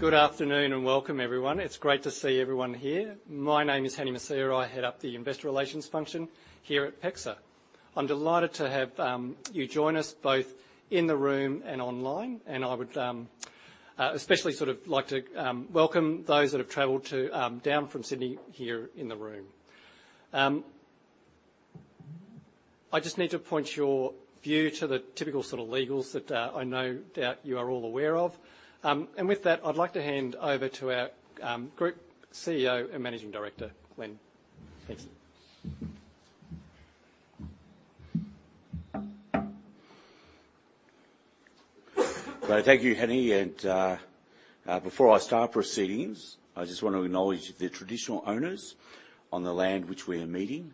Good afternoon, and welcome, everyone. It's great to see everyone here. My name is Hany Messiha. I head up the Investor Relations function here at PEXA. I'm delighted to have you join us both in the room and online, and I would especially sort of like to welcome those that have traveled down from Sydney here in the room. I just need to point your view to the typical sort of legals that I no doubt you are all aware of. And with that, I'd like to hand over to our Group CEO and Managing Director, Glenn. Cheersy Well, thank you, Hany, and before I start proceedings, I just want to acknowledge the traditional owners on the land which we are meeting,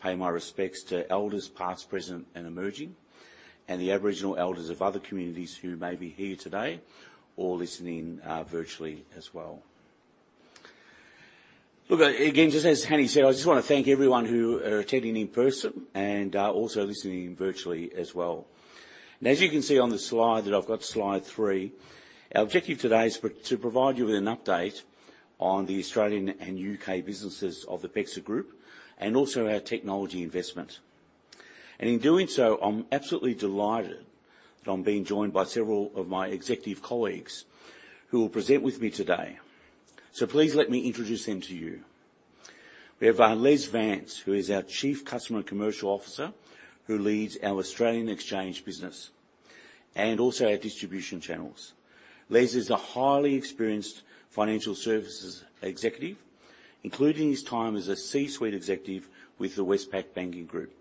pay my respects to elders, past, present, and emerging, and the Aboriginal elders of other communities who may be here today or listening virtually as well. Look, again, just as Hany said, I just want to thank everyone who are attending in person and also listening virtually as well. And as you can see on the slide that I've got, slide three, our objective today is to provide you with an update on the Australian and businesses of the PEXA Group and also our technology investment. And in doing so, I'm absolutely delighted that I'm being joined by several of my executive colleagues who will present with me today. So please let me introduce them to you. We have Les Vance, who is our Chief Customer and Commercial Officer, who leads our Australian exchange business and also our distribution channels. Les is a highly experienced financial services executive, including his time as a C-suite executive with the Westpac Banking Group,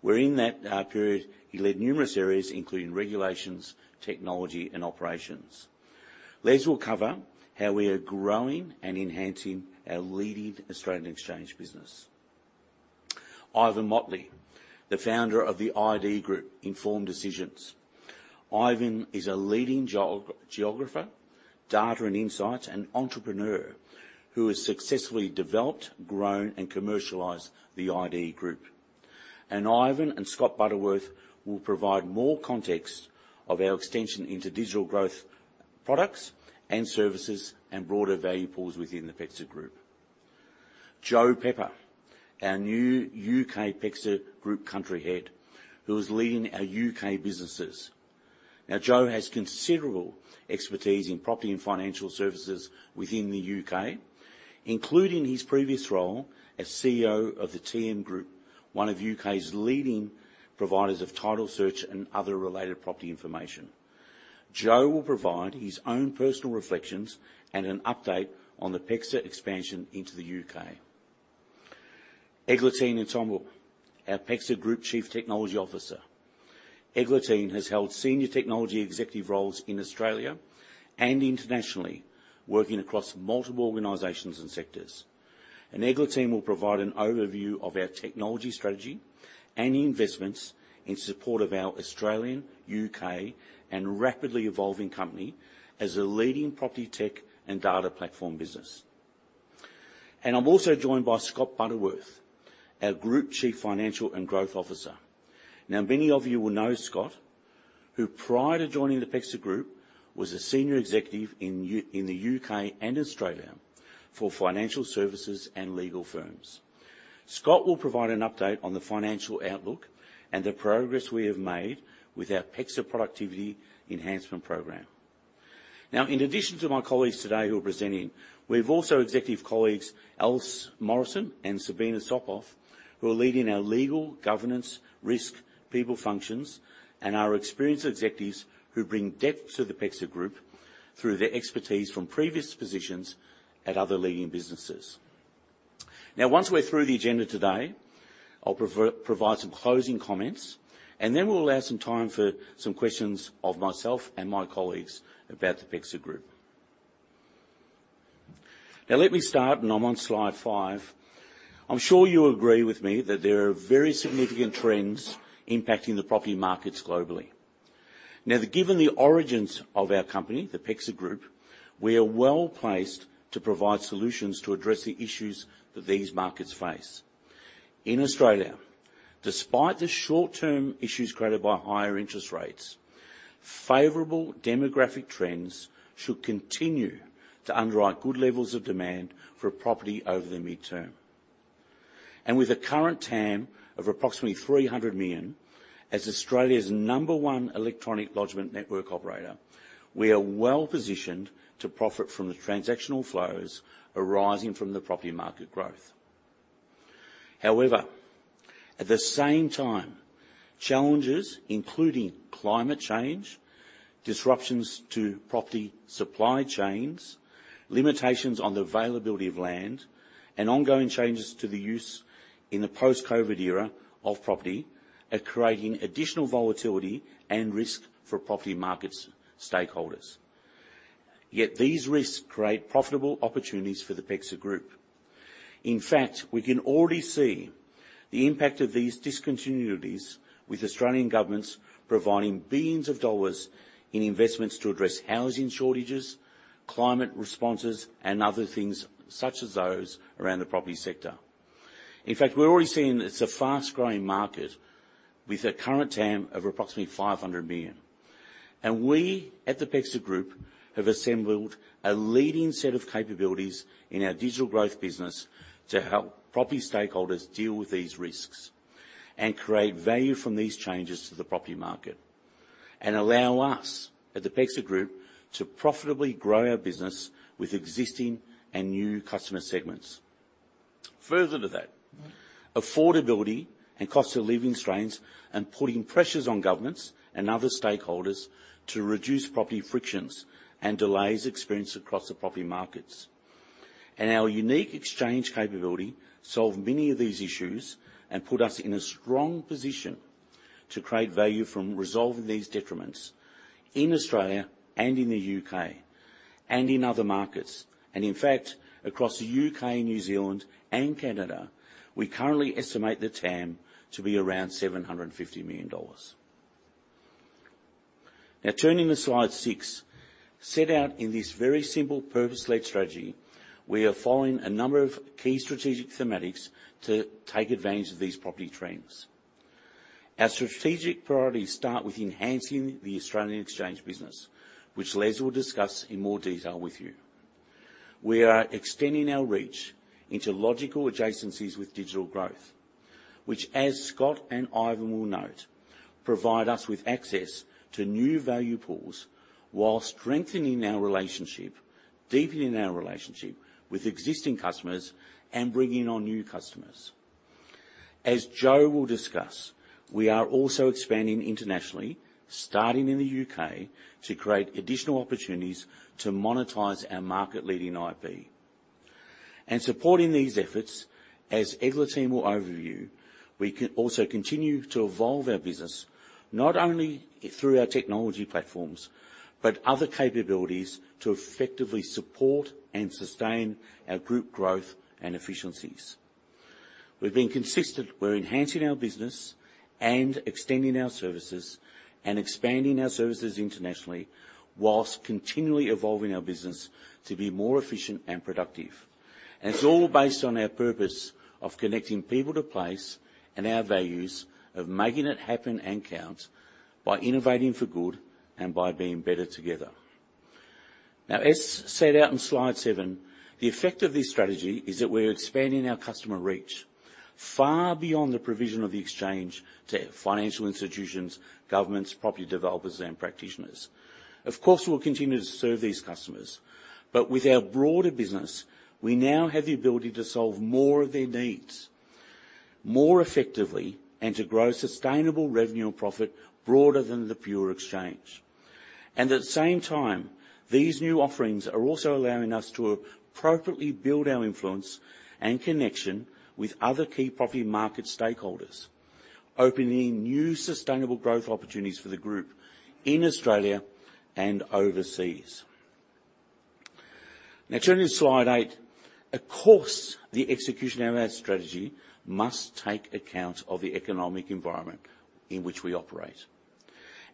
where in that period, he led numerous areas, including regulations, technology, and operations. Les will cover how we are growing and enhancing our leading Australian exchange business. Ivan Motley, the founder of the .id Group, informed decisions. Ivan is a leading geographer, data and insight, and entrepreneur who has successfully developed, grown, and commercialized the .id Group. Ivan and Scott Butterworth will provide more context of our extension into digital growth products and services and broader value pools within the PEXA Group. Joe Pepper, our new U.K. PEXA Group Country Head, who is leading our U.K. businesses. Now, Joe has considerable expertise in property and financial services within the U.K. including his previous role as CEO of the TM Group, one of the U.K.'s leading providers of title search and other related property information. Joe will provide his own personal reflections and an update on the PEXA expansion into the U.K. Eglantine Etiemble, our PEXA Group Chief Technology Officer. Eglantine has held senior technology executive roles in Australia and internationally, working across multiple organizations and sectors. Eglantine will provide an overview of our technology strategy and investments in support of our Australian, U.K. and rapidly evolving company as a leading property tech and data platform business. I'm also joined by Scott Butterworth, our Group Chief Financial and Growth Officer. Now, many of you will know Scott, who, prior to joining the PEXA Group, was a senior executive in the U.K. and Australia for financial services and legal firms. Scott will provide an update on the financial outlook and the progress we have made with our PEXA Productivity Enhancement program. Now, in addition to my colleagues today who are presenting, we have also executive colleagues, Alice Morrison and Sabina Sopov, who are leading our legal, governance, risk, people functions, and are experienced executives who bring depth to the PEXA Group through their expertise from previous positions at other leading businesses. Now, once we're through the agenda today, I'll provide some closing comments, and then we'll allow some time for some questions of myself and my colleagues about the PEXA Group. Now, let me start, and I'm on slide five. I'm sure you agree with me that there are very significant trends impacting the property markets globally. Now, given the origins of our company, the PEXA Group, we are well-placed to provide solutions to address the issues that these markets face. In Australia, despite the short-term issues created by higher interest rates, favorable demographic trends should continue to underwrite good levels of demand for property over the midterm. And with a current TAM of approximately 300 million, as Australia's number one electronic lodgement network operator, we are well-positioned to profit from the transactional flows arising from the property market growth. However, at the same time, challenges, including climate change, disruptions to property supply chains, limitations on the availability of land, and ongoing changes to the use in the post-COVID era of property, are creating additional volatility and risk for property markets stakeholders. Yet these risks create profitable opportunities for the PEXA Group. In fact, we can already see the impact of these discontinuities, with Australian governments providing billions of dollars in investments to address housing shortages, climate responses, and other things such as those around the property sector. In fact, we're already seeing that it's a fast-growing market with a current TAM of approximately 500 million. And we, at the PEXA Group, have assembled a leading set of capabilities in our digital growth business to help property stakeholders deal with these risks and create value from these changes to the property market, and allow us, at the PEXA Group, to profitably grow our business with existing and new customer segments. Further to that, affordability and cost of living strains and putting pressures on governments and other stakeholders to reduce property frictions and delays experienced across the property markets. Our unique exchange capability solve many of these issues and put us in a strong position to create value from resolving these detriments in Australia and in the U.K.. and in other markets. In fact, across the U.K. New Zealand, and Canada, we currently estimate the TAM to be around 750 million dollars. Now, turning to slide six, set out in this very simple purpose-led strategy, we are following a number of key strategic thematics to take advantage of these property trends. Our strategic priorities start with enhancing the Australian Exchange business, which Les will discuss in more detail with you. We are extending our reach into logical adjacencies with digital growth, which, as Scott and Ivan will note, provide us with access to new value pools while strengthening our relationship, deepening our relationship with existing customers, and bringing on new customers. As Joe will discuss, we are also expanding internationally, starting in the U.K. to create additional opportunities to monetize our market-leading IP. And supporting these efforts, as Eglantine will overview, we also continue to evolve our business, not only through our technology platforms, but other capabilities to effectively support and sustain our group growth and efficiencies. We've been consistent. We're enhancing our business and extending our services and expanding our services internationally, while continually evolving our business to be more efficient and productive. And it's all based on our purpose of connecting people to place, and our values of making it happen and count by innovating for good and by being better together. Now, as set out in slide seven, the effect of this strategy is that we're expanding our customer reach far beyond the provision of the exchange to financial institutions, governments, property developers, and practitioners. Of course, we'll continue to serve these customers, but with our broader business, we now have the ability to solve more of their needs more effectively and to grow sustainable revenue and profit broader than the pure exchange. And at the same time, these new offerings are also allowing us to appropriately build our influence and connection with other key property market stakeholders, opening new sustainable growth opportunities for the group in Australia and overseas. Now, turning to slide eight, of course, the execution of our strategy must take account of the economic environment in which we operate,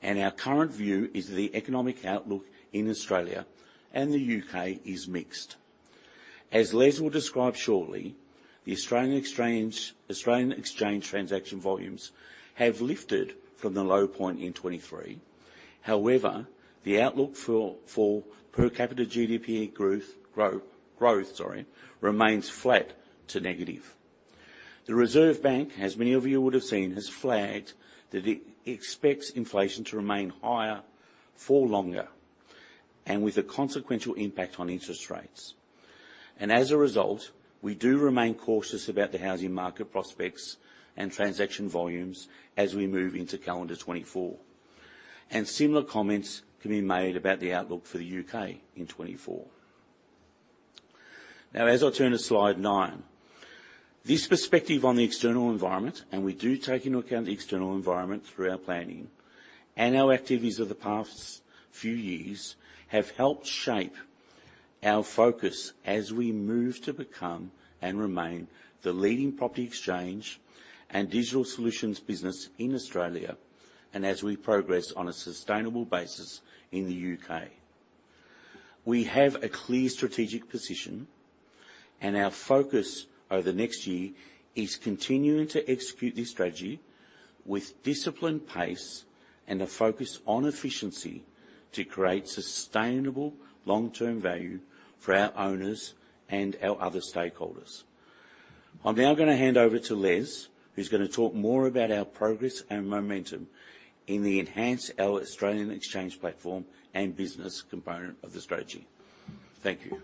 and our current view is the economic outlook in Australia and the U.K. is mixed. As Les will describe shortly, the Australian Exchange transaction volumes have lifted from the low point in 2023. However, the outlook for per capita GDP growth, growth, sorry, remains flat to negative. The Reserve Bank, as many of you would have seen, has flagged that it expects inflation to remain higher for longer, and with a consequential impact on interest rates. As a result, we do remain cautious about the housing market prospects and transaction volumes as we move into calendar 2024. Similar comments can be made about the outlook for the U.K. in 2024. Now, as I turn to slide nine, this perspective on the external environment, and we do take into account the external environment through our planning, and our activities of the past few years, have helped shape our focus as we move to become and remain the leading property exchange and digital solutions business in Australia, and as we progress on a sustainable basis in the U.K. We have a clear strategic position, and our focus over the next year is continuing to execute this strategy with disciplined pace and a focus on efficiency to create sustainable long-term value for our owners and our other stakeholders. I'm now gonna hand over to Les, who's gonna talk more about our progress and momentum in enhancing our Australian Exchange platform and business component of the strategy. Thank you.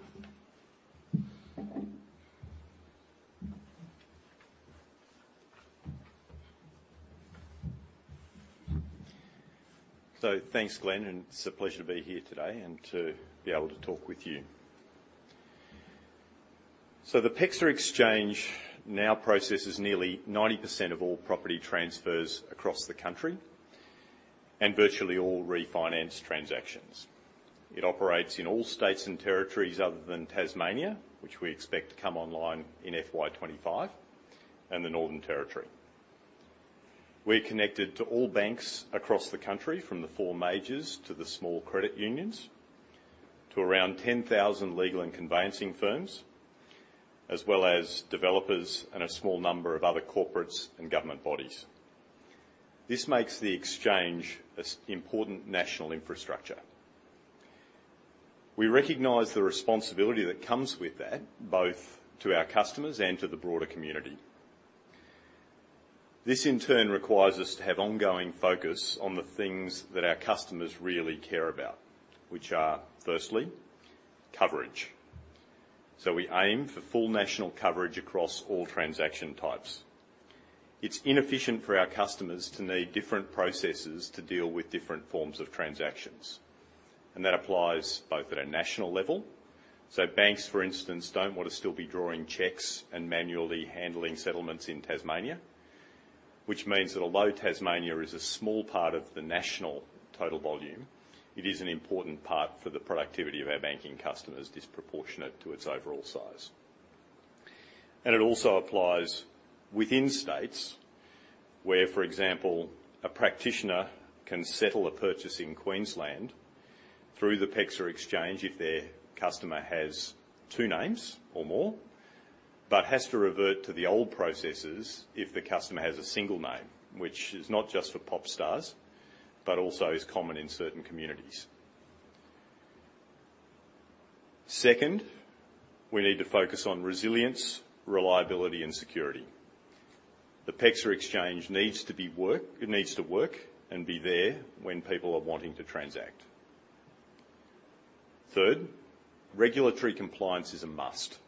So thanks, Glenn, and it's a pleasure to be here today and to be able to talk with you. So the PEXA Exchange now processes nearly 90% of all property transfers across the country and virtually all refinance transactions. It operates in all states and territories other than Tasmania, which we expect to come online in FY 2025, and the Northern Territory. We're connected to all banks across the country, from the four majors to the small credit unions, to around 10,000 legal and conveyancing firms, as well as developers and a small number of other corporates and government bodies. This makes the Exchange as important national infrastructure. We recognize the responsibility that comes with that, both to our customers and to the broader community. This, in turn, requires us to have ongoing focus on the things that our customers really care about, which are, firstly, coverage. We aim for full national coverage across all transaction types. It's inefficient for our customers to need different processes to deal with different forms of transactions, and that applies both at a national level. Banks, for instance, don't want to still be drawing checks and manually handling settlements in Tasmania, which means that although Tasmania is a small part of the national total volume, it is an important part for the productivity of our banking customers, disproportionate to its overall size. It also applies within states where, for example, a practitioner can settle a purchase in Queensland through the PEXA Exchange if their customer has two names or more, but has to revert to the old processes if the customer has a single name, which is not just for pop stars, but also is common in certain communities. Second, we need to focus on resilience, reliability, and security. The PEXA Exchange needs to it needs to work and be there when people are wanting to transact. Third, regulatory compliance is a must.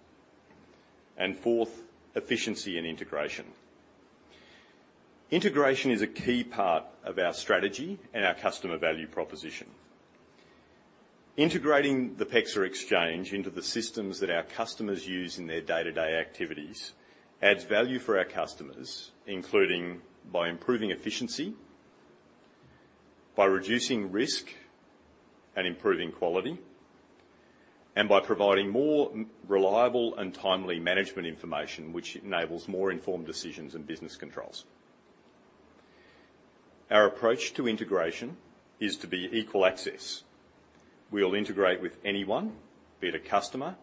Fourth, efficiency and integration. Integration is a key part of our strategy and our customer value proposition. Integrating the PEXA Exchange into the systems that our customers use in their day-to-day activities adds value for our customers, including by improving efficiency, by reducing risk and improving quality, and by providing more reliable and timely management information, which enables more informed decisions and business controls. Our approach to integration is to be equal access. We will integrate with anyone, be it a customer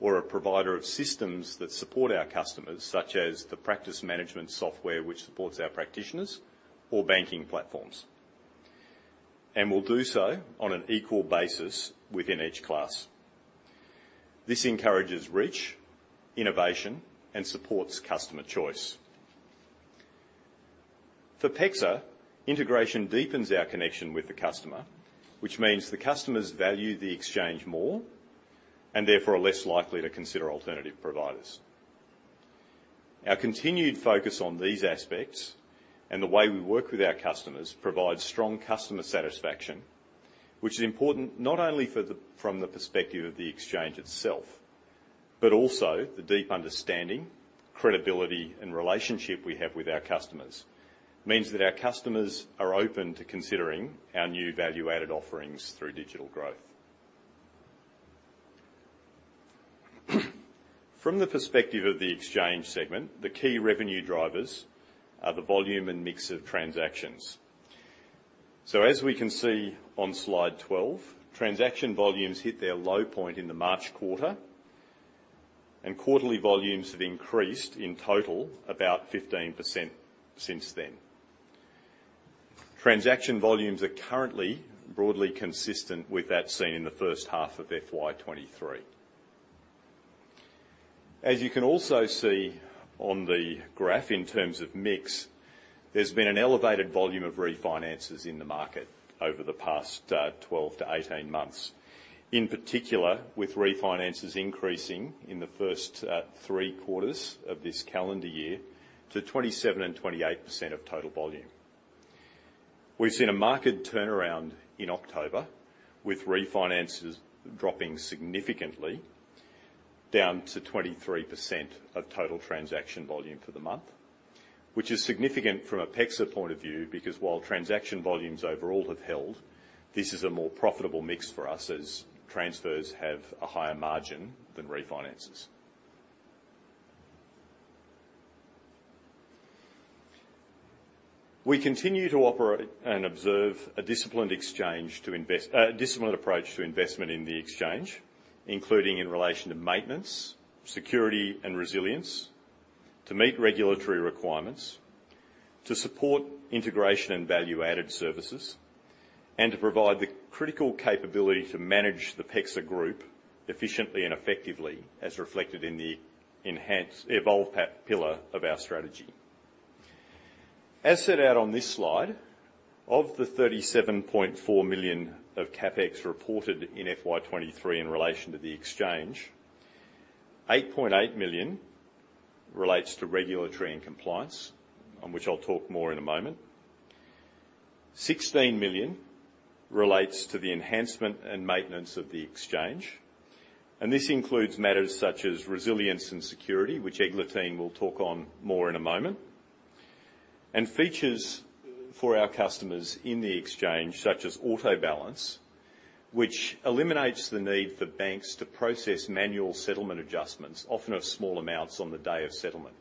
or a provider of systems that support our customers, such as the practice management software, which supports our practitioners or banking platforms, and we'll do so on an equal basis within each class. This encourages reach, innovation, and supports customer choice. For PEXA, integration deepens our connection with the customer, which means the customers value the exchange more and therefore are less likely to consider alternative providers. Our continued focus on these aspects and the way we work with our customers provides strong customer satisfaction, which is important not only for the, from the perspective of the exchange itself, but also the deep understanding, credibility, and relationship we have with our customers, means that our customers are open to considering our new value-added offerings through digital growth. From the perspective of the exchange segment, the key revenue drivers are the volume and mix of transactions. So as we can see on slide 12, transaction volumes hit their low point in the March quarter, and quarterly volumes have increased in total about 15% since then. Transaction volumes are currently broadly consistent with that seen in the first half of FY 2023. As you can also see on the graph, in terms of mix, there's been an elevated volume of refinances in the market over the past 12-18 months, in particular with refinances increasing in the first 3 quarters of this calendar year to 27% and 28% of total volume. We've seen a market turnaround in October, with refinances dropping significantly down to 23% of total transaction volume for the month, which is significant from a PEXA point of view, because while transaction volumes overall have held, this is a more profitable mix for us, as transfers have a higher margin than refinances. We continue to operate and observe a disciplined approach to investment in the exchange, including in relation to maintenance, security, and resilience, to meet regulatory requirements, to support integration and value-added services, and to provide the critical capability to manage the PEXA Group efficiently and effectively, as reflected in the Evolve pillar of our strategy. As set out on this slide, of the 37.4 million of CapEx reported in FY 2023 in relation to the exchange, 8.8 million relates to regulatory and compliance, on which I'll talk more in a moment. 16 million relates to the enhancement and maintenance of the exchange, and this includes matters such as resilience and security, which Eglantine will talk on more in a moment, and features for our customers in the exchange, such as Auto Balance, which eliminates the need for banks to process manual settlement adjustments, often of small amounts on the day of settlement,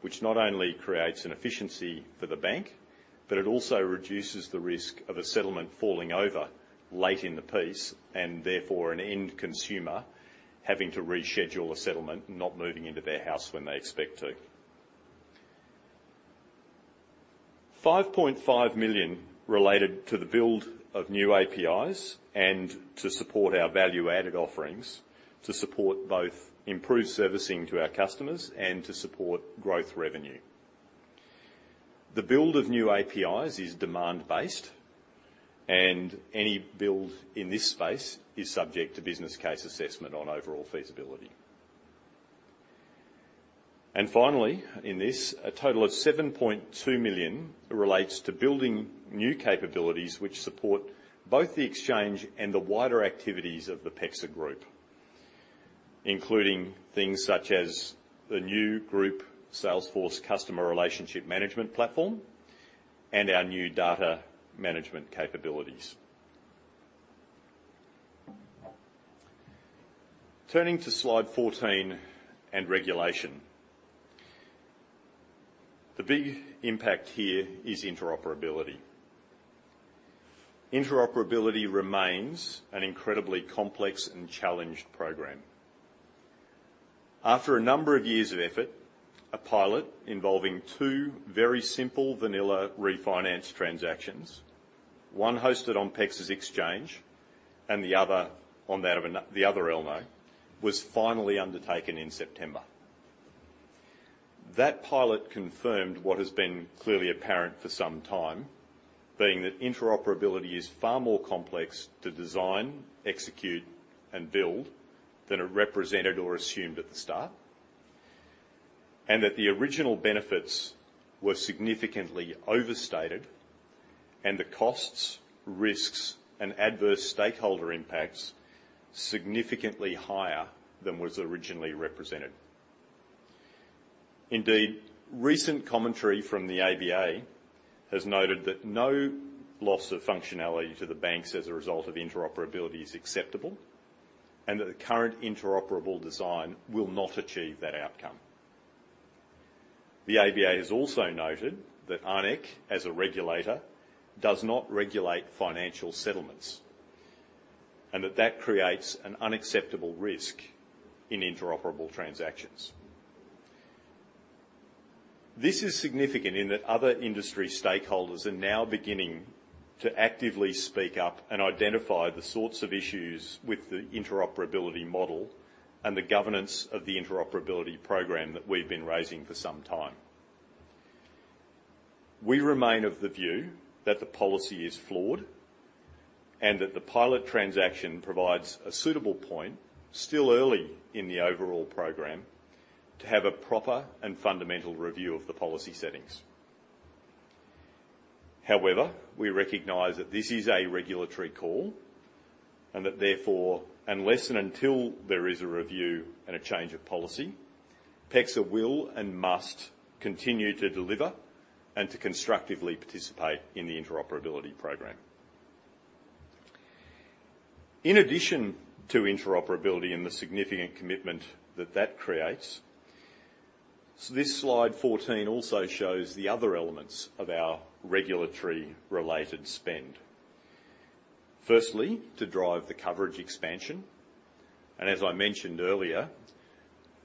which not only creates an efficiency for the bank, but it also reduces the risk of a settlement falling over late in the piece, and therefore an end consumer having to reschedule a settlement and not moving into their house when they expect to. 5.5 million related to the build of new APIs and to support our value-added offerings, to support both improved servicing to our customers and to support growth revenue. The build of new APIs is demand-based, and any build in this space is subject to business case assessment on overall feasibility. And finally, in this, a total of 7.2 million relates to building new capabilities which support both the exchange and the wider activities of the PEXA group, including things such as the new group Salesforce customer relationship management platform and our new data management capabilities. Turning to slide 14 and regulation. The big impact here is interoperability. Interoperability remains an incredibly complex and challenged program. After a number of years of effort, a pilot involving two very simple vanilla refinance transactions, one hosted on PEXA Exchange and the other on that of the other ELNO, was finally undertaken in September. That pilot confirmed what has been clearly apparent for some time, being that interoperability is far more complex to design, execute, and build than are represented or assumed at the start, and that the original benefits were significantly overstated, and the costs, risks, and adverse stakeholder impacts significantly higher than was originally represented. Indeed, recent commentary from the ABA has noted that no loss of functionality to the banks as a result of interoperability is acceptable, and that the current interoperable design will not achieve that outcome. The ABA has also noted that ARNECC, as a regulator, does not regulate financial settlements, and that that creates an unacceptable risk in interoperable transactions. This is significant in that other industry stakeholders are now beginning to actively speak up and identify the sorts of issues with the interoperability model and the governance of the interoperability program that we've been raising for some time. We remain of the view that the policy is flawed and that the pilot transaction provides a suitable point, still early in the overall program, to have a proper and fundamental review of the policy settings. However, we recognize that this is a regulatory call and that therefore, unless and until there is a review and a change of policy, PEXA will and must continue to deliver and to constructively participate in the interoperability program. In addition to interoperability and the significant commitment that that creates, so this slide 14 also shows the other elements of our regulatory related spend. Firstly, to drive the coverage expansion, and as I mentioned earlier,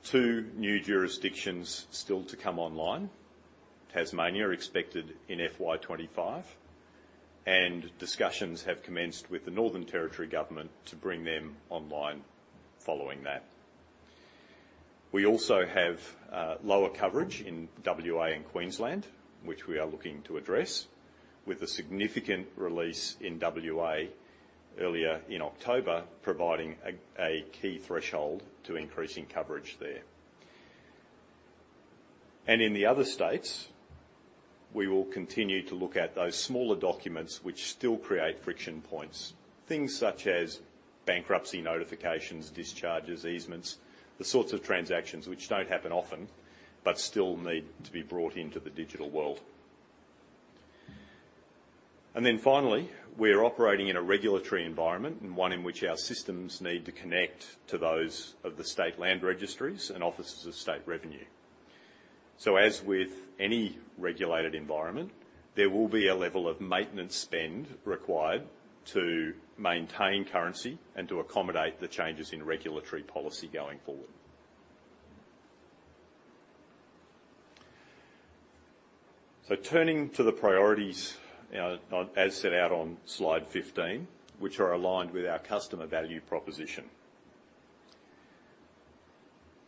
two new jurisdictions still to come online, Tasmania expected in FY 2025, and discussions have commenced with the Northern Territory Government to bring them online following that. We also have lower coverage in WA and Queensland, which we are looking to address, with a significant release in WA earlier in October, providing a key threshold to increasing coverage there. And in the other states, we will continue to look at those smaller documents which still create friction points, things such as bankruptcy notifications, discharges, easements, the sorts of transactions which don't happen often, but still need to be brought into the digital world. And then finally, we're operating in a regulatory environment, and one in which our systems need to connect to those of the state land registries and offices of state revenue. So as with any regulated environment, there will be a level of maintenance spend required to maintain currency and to accommodate the changes in regulatory policy going forward. So turning to the priorities, as set out on slide 15, which are aligned with our customer value proposition.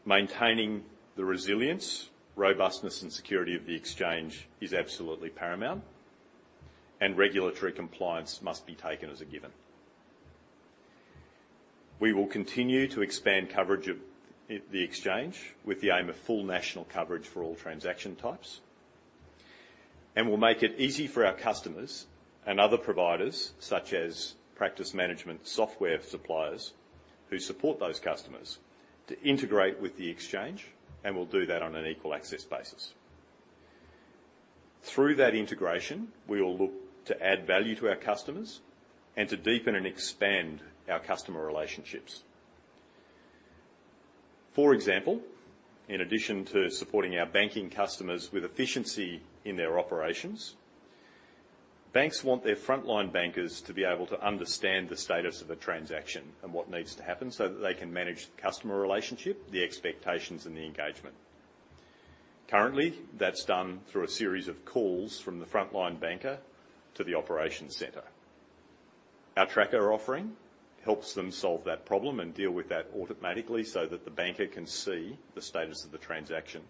Maintaining the resilience, robustness, and security of the exchange is absolutely paramount, and regulatory compliance must be taken as a given. We will continue to expand coverage of the exchange with the aim of full national coverage for all transaction types. And we'll make it easy for our customers and other providers, such as practice management software suppliers, who support those customers, to integrate with the exchange, and we'll do that on an equal access basis. Through that integration, we will look to add value to our customers and to deepen and expand our customer relationships. For example, in addition to supporting our banking customers with efficiency in their operations, banks want their frontline bankers to be able to understand the status of a transaction and what needs to happen so that they can manage the customer relationship, the expectations, and the engagement. Currently, that's done through a series of calls from the frontline banker to the operations center. Our Tracker offering helps them solve that problem and deal with that automatically so that the banker can see the status of the transaction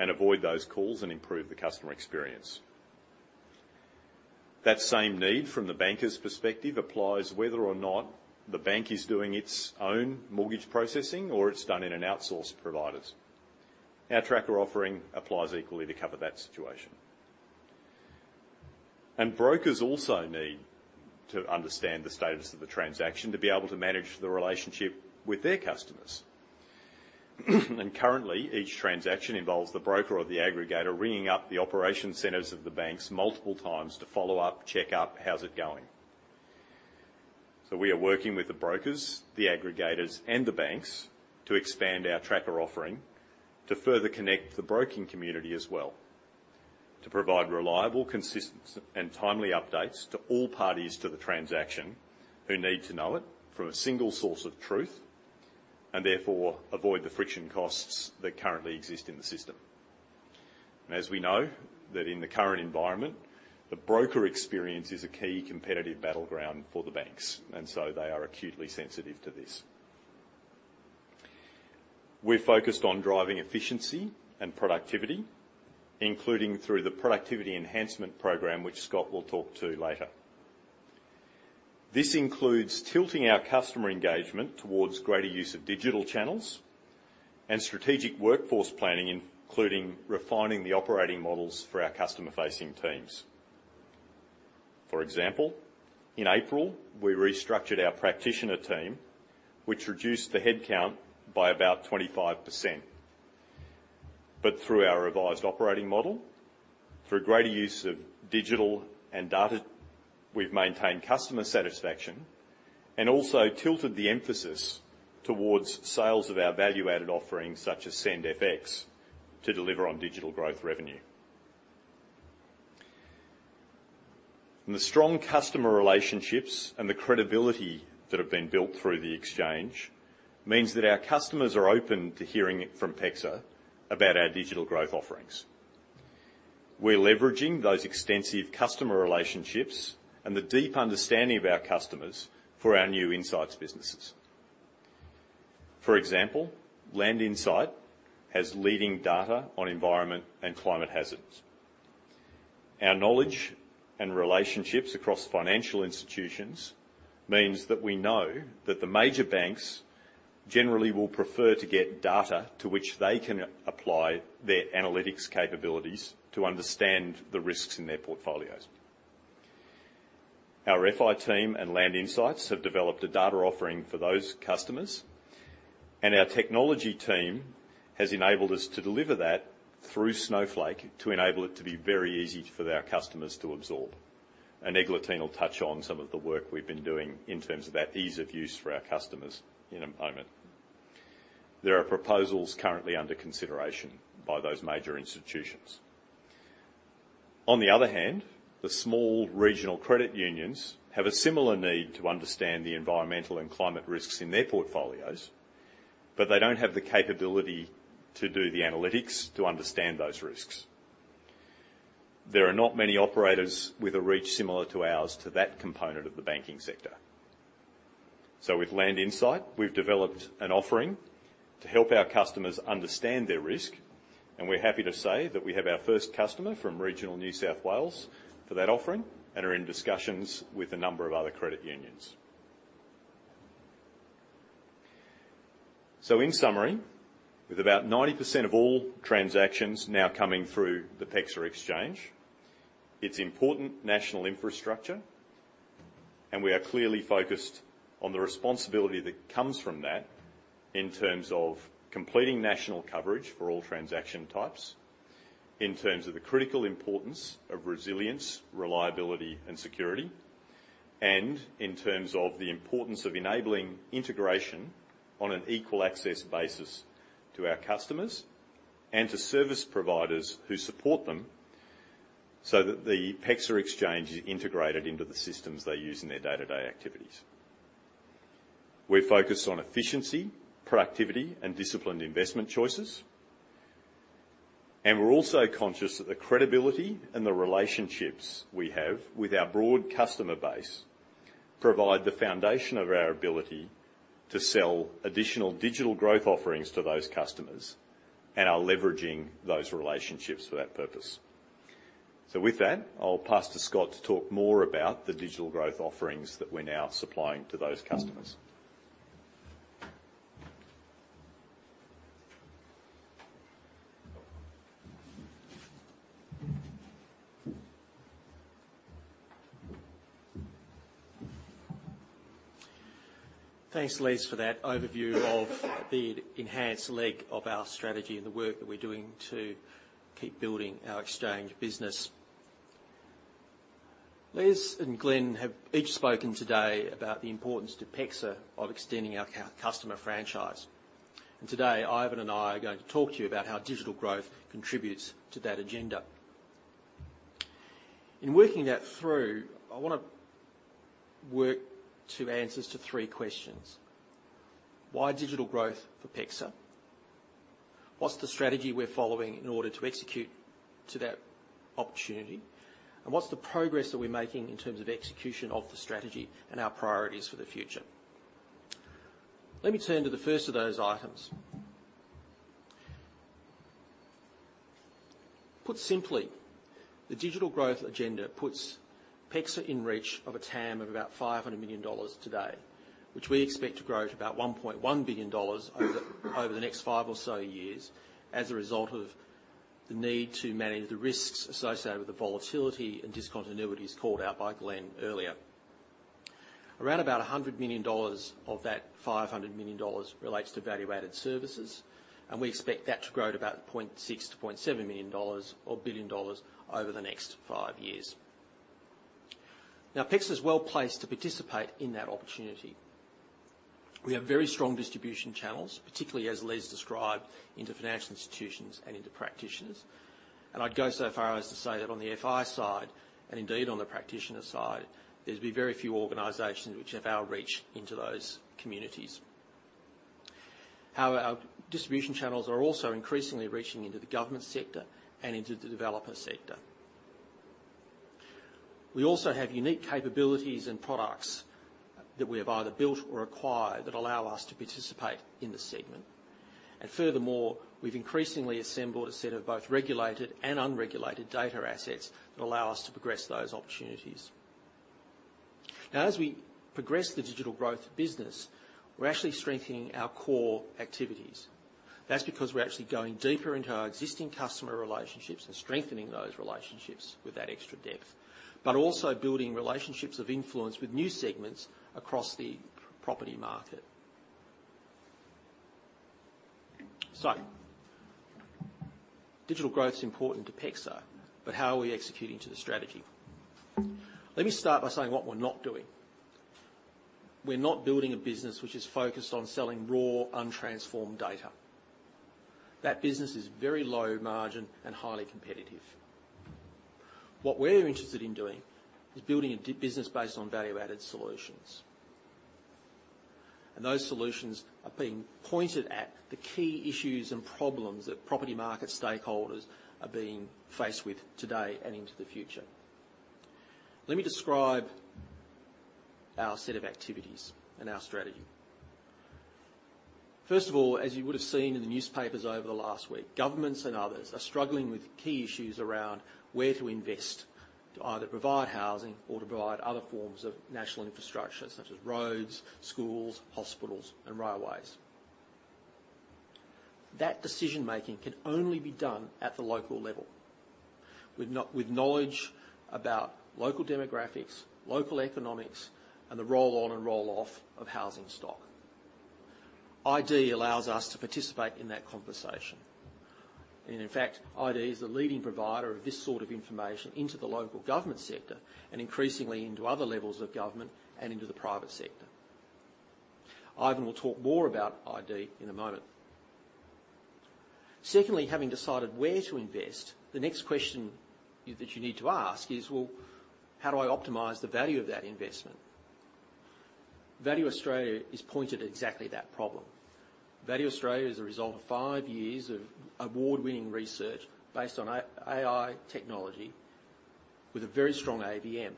and avoid those calls and improve the customer experience. That same need from the banker's perspective applies whether or not the bank is doing its own mortgage processing or it's done in an outsourced providers. Our Tracker offering applies equally to cover that situation. Brokers also need to understand the status of the transaction to be able to manage the relationship with their customers. Currently, each transaction involves the broker or the aggregator ringing up the operation centers of the banks multiple times to follow up, check up, how's it going? So we are working with the brokers, the aggregators, and the banks to expand our tracker offering to further connect the broking community as well, to provide reliable, consistent, and timely updates to all parties to the transaction who need to know it from a single source of truth, and therefore, avoid the friction costs that currently exist in the system. As we know, that in the current environment, the broker experience is a key competitive battleground for the banks, and so they are acutely sensitive to this. We're focused on driving efficiency and productivity, including through the productivity enhancement program, which Scott will talk to later. This includes tilting our customer engagement towards greater use of digital channels and strategic workforce planning, including refining the operating models for our customer-facing teams. For example, in April, we restructured our practitioner team, which reduced the headcount by about 25%. But through our revised operating model, through greater use of digital and data, we've maintained customer satisfaction and also tilted the emphasis towards sales of our value-added offerings, such as SendFX, to deliver on digital growth revenue. And the strong customer relationships and the credibility that have been built through the exchange means that our customers are open to hearing it from PEXA about our digital growth offerings. We're leveraging those extensive customer relationships and the deep understanding of our customers for our new insights businesses. For example, LandInsight has leading data on environment and climate hazards. Our knowledge and relationships across financial institutions means that we know that the major banks generally will prefer to get data to which they can apply their analytics capabilities to understand the risks in their portfolios. Our FI team and LandInsight have developed a data offering for those customers, and our technology team has enabled us to deliver that through Snowflake to enable it to be very easy for our customers to absorb. Eglantine will touch on some of the work we've been doing in terms of that ease of use for our customers in a moment. There are proposals currently under consideration by those major institutions. On the other hand, the small regional credit unions have a similar need to understand the environmental and climate risks in their portfolios, but they don't have the capability to do the analytics to understand those risks. There are not many operators with a reach similar to ours to that component of the banking sector. So with LandInsight, we've developed an offering to help our customers understand their risk, and we're happy to say that we have our first customer from regional New South Wales for that offering and are in discussions with a number of other credit unions. So in summary, with about 90% of all transactions now coming through the PEXA Exchange, it's important national infrastructure, and we are clearly focused on the responsibility that comes from that in terms of completing national coverage for all transaction types, in terms of the critical importance of resilience, reliability, and security, and in terms of the importance of enabling integration on an equal access basis to our customers and to service providers who support them, so that the PEXA Exchange is integrated into the systems they use in their day-to-day activities. We're focused on efficiency, productivity, and disciplined investment choices, and we're also conscious that the credibility and the relationships we have with our broad customer base provide the foundation of our ability to sell additional digital growth offerings to those customers and are leveraging those relationships for that purpose. With that, I'll pass to Scott to talk more about the digital growth offerings that we're now supplying to those customers. Thanks, Les, for that overview of the enhanced leg of our strategy and the work that we're doing to keep building our exchange business. Les and Glenn have each spoken today about the importance to PEXA of extending our customer franchise, and today, Ivan and I are going to talk to you about how digital growth contributes to that agenda. In working that through, I wanna work two answers to three questions: Why digital growth for PEXA? What's the strategy we're following in order to execute to that opportunity? And what's the progress that we're making in terms of execution of the strategy and our priorities for the future? Let me turn to the first of those items. Put simply, the digital growth agenda puts PEXA in reach of a TAM of about 500 million dollars today, which we expect to grow to about 1.1 billion dollars over the next five or so years as a result of the need to manage the risks associated with the volatility and discontinuities called out by Glenn earlier. Around about 100 million dollars of that 500 million dollars relates to value-added services, and we expect that to grow to about 0.6-0.7 million dollars or billion over the next five years. Now, PEXA is well-placed to participate in that opportunity. We have very strong distribution channels, particularly as Les escribed, into financial institutions and into practitioners, and I'd go so far as to say that on the FI side, and indeed on the practitioner side, there'd be very few organizations which have our reach into those communities. However, our distribution channels are also increasingly reaching into the government sector and into the developer sector. We also have unique capabilities and products that we have either built or acquired that allow us to participate in this segment. Furthermore, we've increasingly assembled a set of both regulated and unregulated data assets that allow us to progress those opportunities. Now, as we progress the digital growth business, we're actually strengthening our core activities. That's because we're actually going deeper into our existing customer relationships and strengthening those relationships with that extra depth, but also building relationships of influence with new segments across the property market. So, digital growth is important to PEXA, but how are we executing to the strategy? Let me start by saying what we're not doing. We're not building a business which is focused on selling raw, untransformed data. That business is very low margin and highly competitive. What we're interested in doing is building a digital business based on value-added solutions, and those solutions are being pointed at the key issues and problems that property market stakeholders are being faced with today and into the future. Let me describe our set of activities and our strategy. First of all, as you would have seen in the newspapers over the last week, governments and others are struggling with key issues around where to invest to either provide housing or to provide other forms of national infrastructure, such as roads, schools, hospitals, and railways. That decision-making can only be done at the local level, with knowledge about local demographics, local economics, and the roll-on and roll-off of housing stock .id allows us to participate in that conversation, and in fact, .id is the leading provider of this sort of information into the local government sector and increasingly into other levels of government and into the private sector. Ivan will talk more about .id in a moment. Secondly, having decided where to invest, the next question is, that you need to ask is: well, how do I optimize the value of that investment? Value Australia is pointed at exactly that problem. Value Australia is a result of five years of award-winning research based on AI technology with a very strong AVM.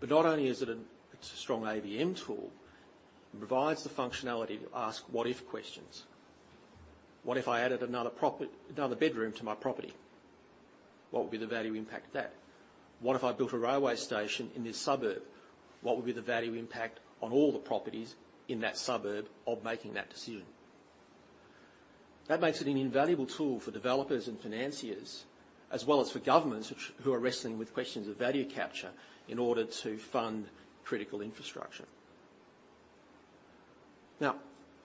But not only is it a, it's a strong AVM tool, it provides the functionality to ask "what if" questions. What if I added another bedroom to my property? What would be the value impact of that? What if I built a railway station in this suburb? What would be the value impact on all the properties in that suburb of making that decision? That makes it an invaluable tool for developers and financiers, as well as for governments who are wrestling with questions of value capture in order to fund critical infrastructure. Now,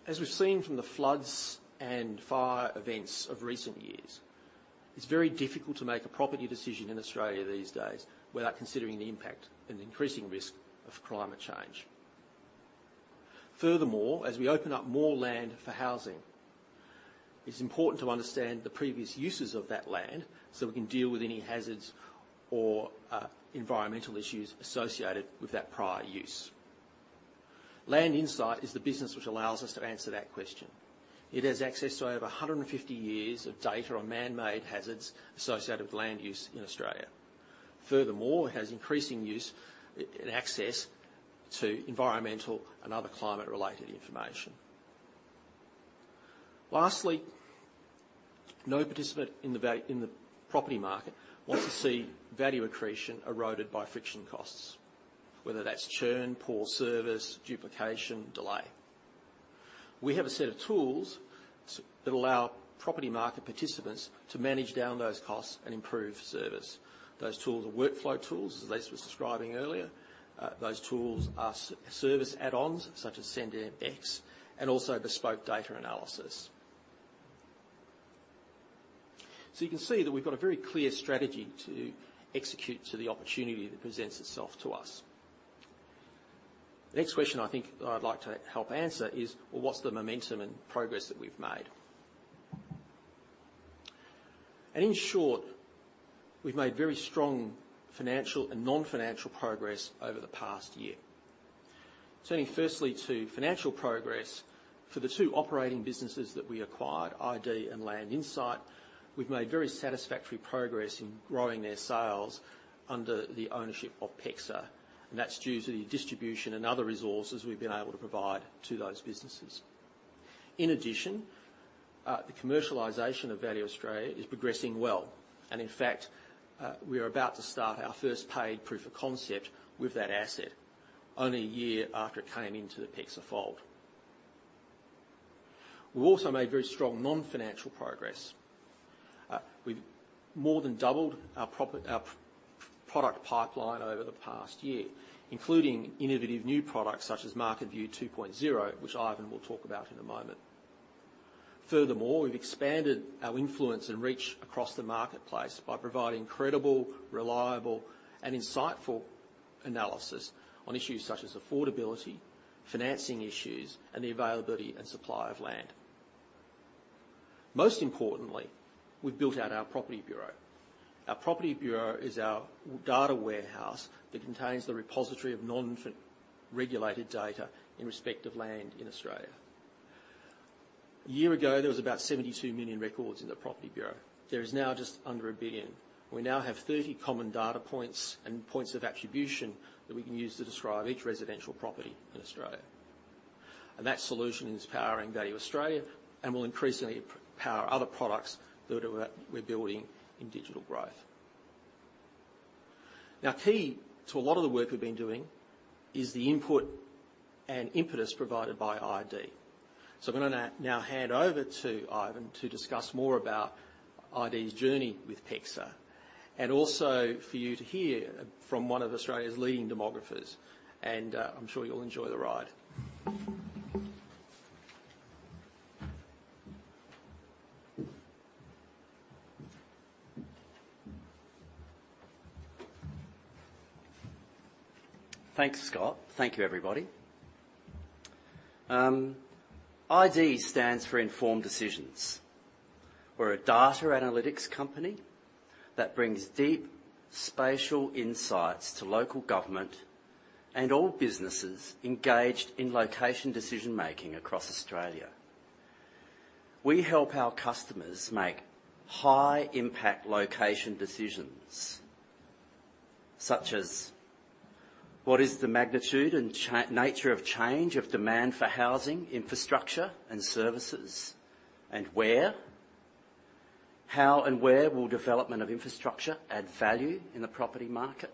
as we've seen from the floods and fire events of recent years, it's very difficult to make a property decision in Australia these days without considering the impact and the increasing risk of climate change. Furthermore, as we open up more land for housing, it's important to understand the previous uses of that land, so we can deal with any hazards or environmental issues associated with that prior use. LandInsight is the business which allows us to answer that question. It has access to over 150 years of data on man-made hazards associated with land use in Australia. Furthermore, it has increasing use and access to environmental and other climate-related information. Lastly, no participant in the property market wants to see value accretion eroded by friction costs, whether that's churn, poor service, duplication, delay. We have a set of tools that allow property market participants to manage down those costs and improve service. Those tools are workflow tools, as Les was describing earlier. Those tools are service add-ons, such as SendFX, and also bespoke data analysis. So you can see that we've got a very clear strategy to execute to the opportunity that presents itself to us. The next question I think I'd like to help answer is: Well, what's the momentum and progress that we've made? And in short, we've made very strong financial and non-financial progress over the past year. Turning firstly to financial progress, for the two operating businesses that we acquired, .id and LandInsight, we've made very satisfactory progress in growing their sales under the ownership of PEXA, and that's due to the distribution and other resources we've been able to provide to those businesses. In addition, the commercialization of Value Australia is progressing well, and in fact, we are about to start our first paid proof of concept with that asset only a year after it came into the PEXA fold. We've also made very strong non-financial progress. We've more than doubled our product pipeline over the past year, including innovative new products such as Market View 2.0, which Ivan will talk about in a moment. Furthermore, we've expanded our influence and reach across the marketplace by providing credible, reliable, and insightful analysis on issues such as affordability, financing issues, and the availability and supply of land. Most importantly, we've built out our property bureau. Our property bureau is our data warehouse that contains the repository of non-regulated data in respect of l-nd in Australia. A year ago, there was about 72 million records in the property bureau. There is now just under 1 billion. We now have 30 common data points and points of attribution that we can use to describe each residential property in Australia, and that solution is powering Value Australia and will increasingly power other products that we're building in digital growth. Now, key to a lot of the work we've been doing is the input and impetus provided by .id. So I'm gonna now hand over to Ivan to discuss more about .id's journey with PEXA, and also for you to hear from one of Australia's leading demographers, and I'm sure you'll enjoy the ride. Thanks, Scott. Thank you, everybody. .id stands for Informed Decisions. We're a data analytics company that brings deep spatial insights to local government and all businesses engaged in location decision-making across Australia. We help our customers make high impact location decisions, such as: What is the magnitude and nature of change of demand for housing, infrastructure, and services, and where? How and where will development of infrastructure add value in the property market?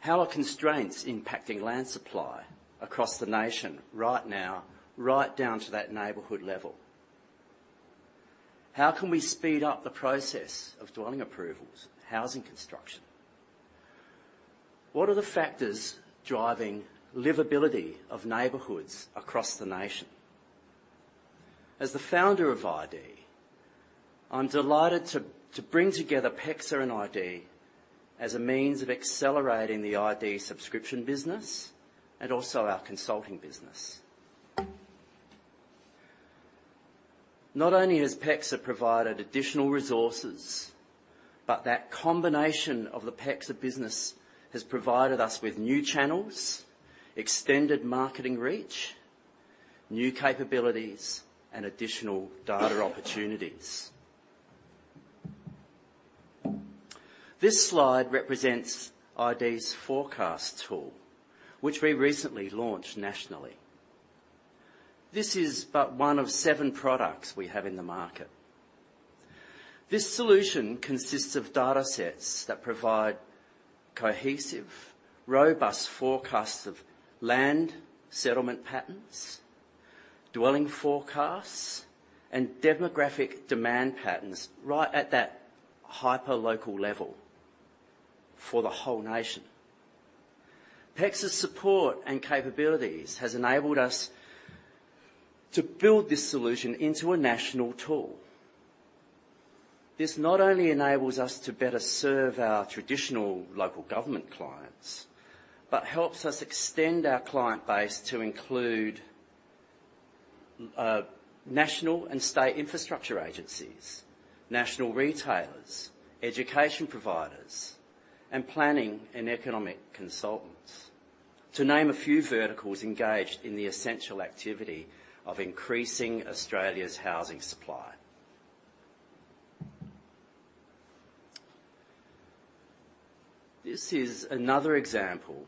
How are constraints impacting land supply across the nation right now, right down to that neighborhood level? How can we speed up the process of dwelling approvals, housing construction? What are the factors driving livability of neighborhoods across the nation? As the founder of .id, I'm delighted to, to bring together PEXA and .id as a means of accelerating the .id subscription business and also our consulting business. Not only has PEXA provided additional resources, but that combination of the PEXA business has provided us with new channels, extended marketing reach, new capabilities, and additional data opportunities. This slide represents .id's forecast tool, which we recently launched nationally. This is but one of seven products we have in the market. This solution consists of data sets that provide cohesive, robust forecasts of land settlement patterns, dwelling forecasts, and demographic demand patterns, right at that hyperlocal level for the whole nation. PEXA's support and capabilities has enabled us to build this solution into a national tool. This not only enables us to better serve our traditional local government clients, but helps us extend our client base to include national and state infrastructure agencies, national retailers, education providers, and planning and economic consultants, to name a few verticals engaged in the essential activity of increasing Australia's housing supply. This is another example,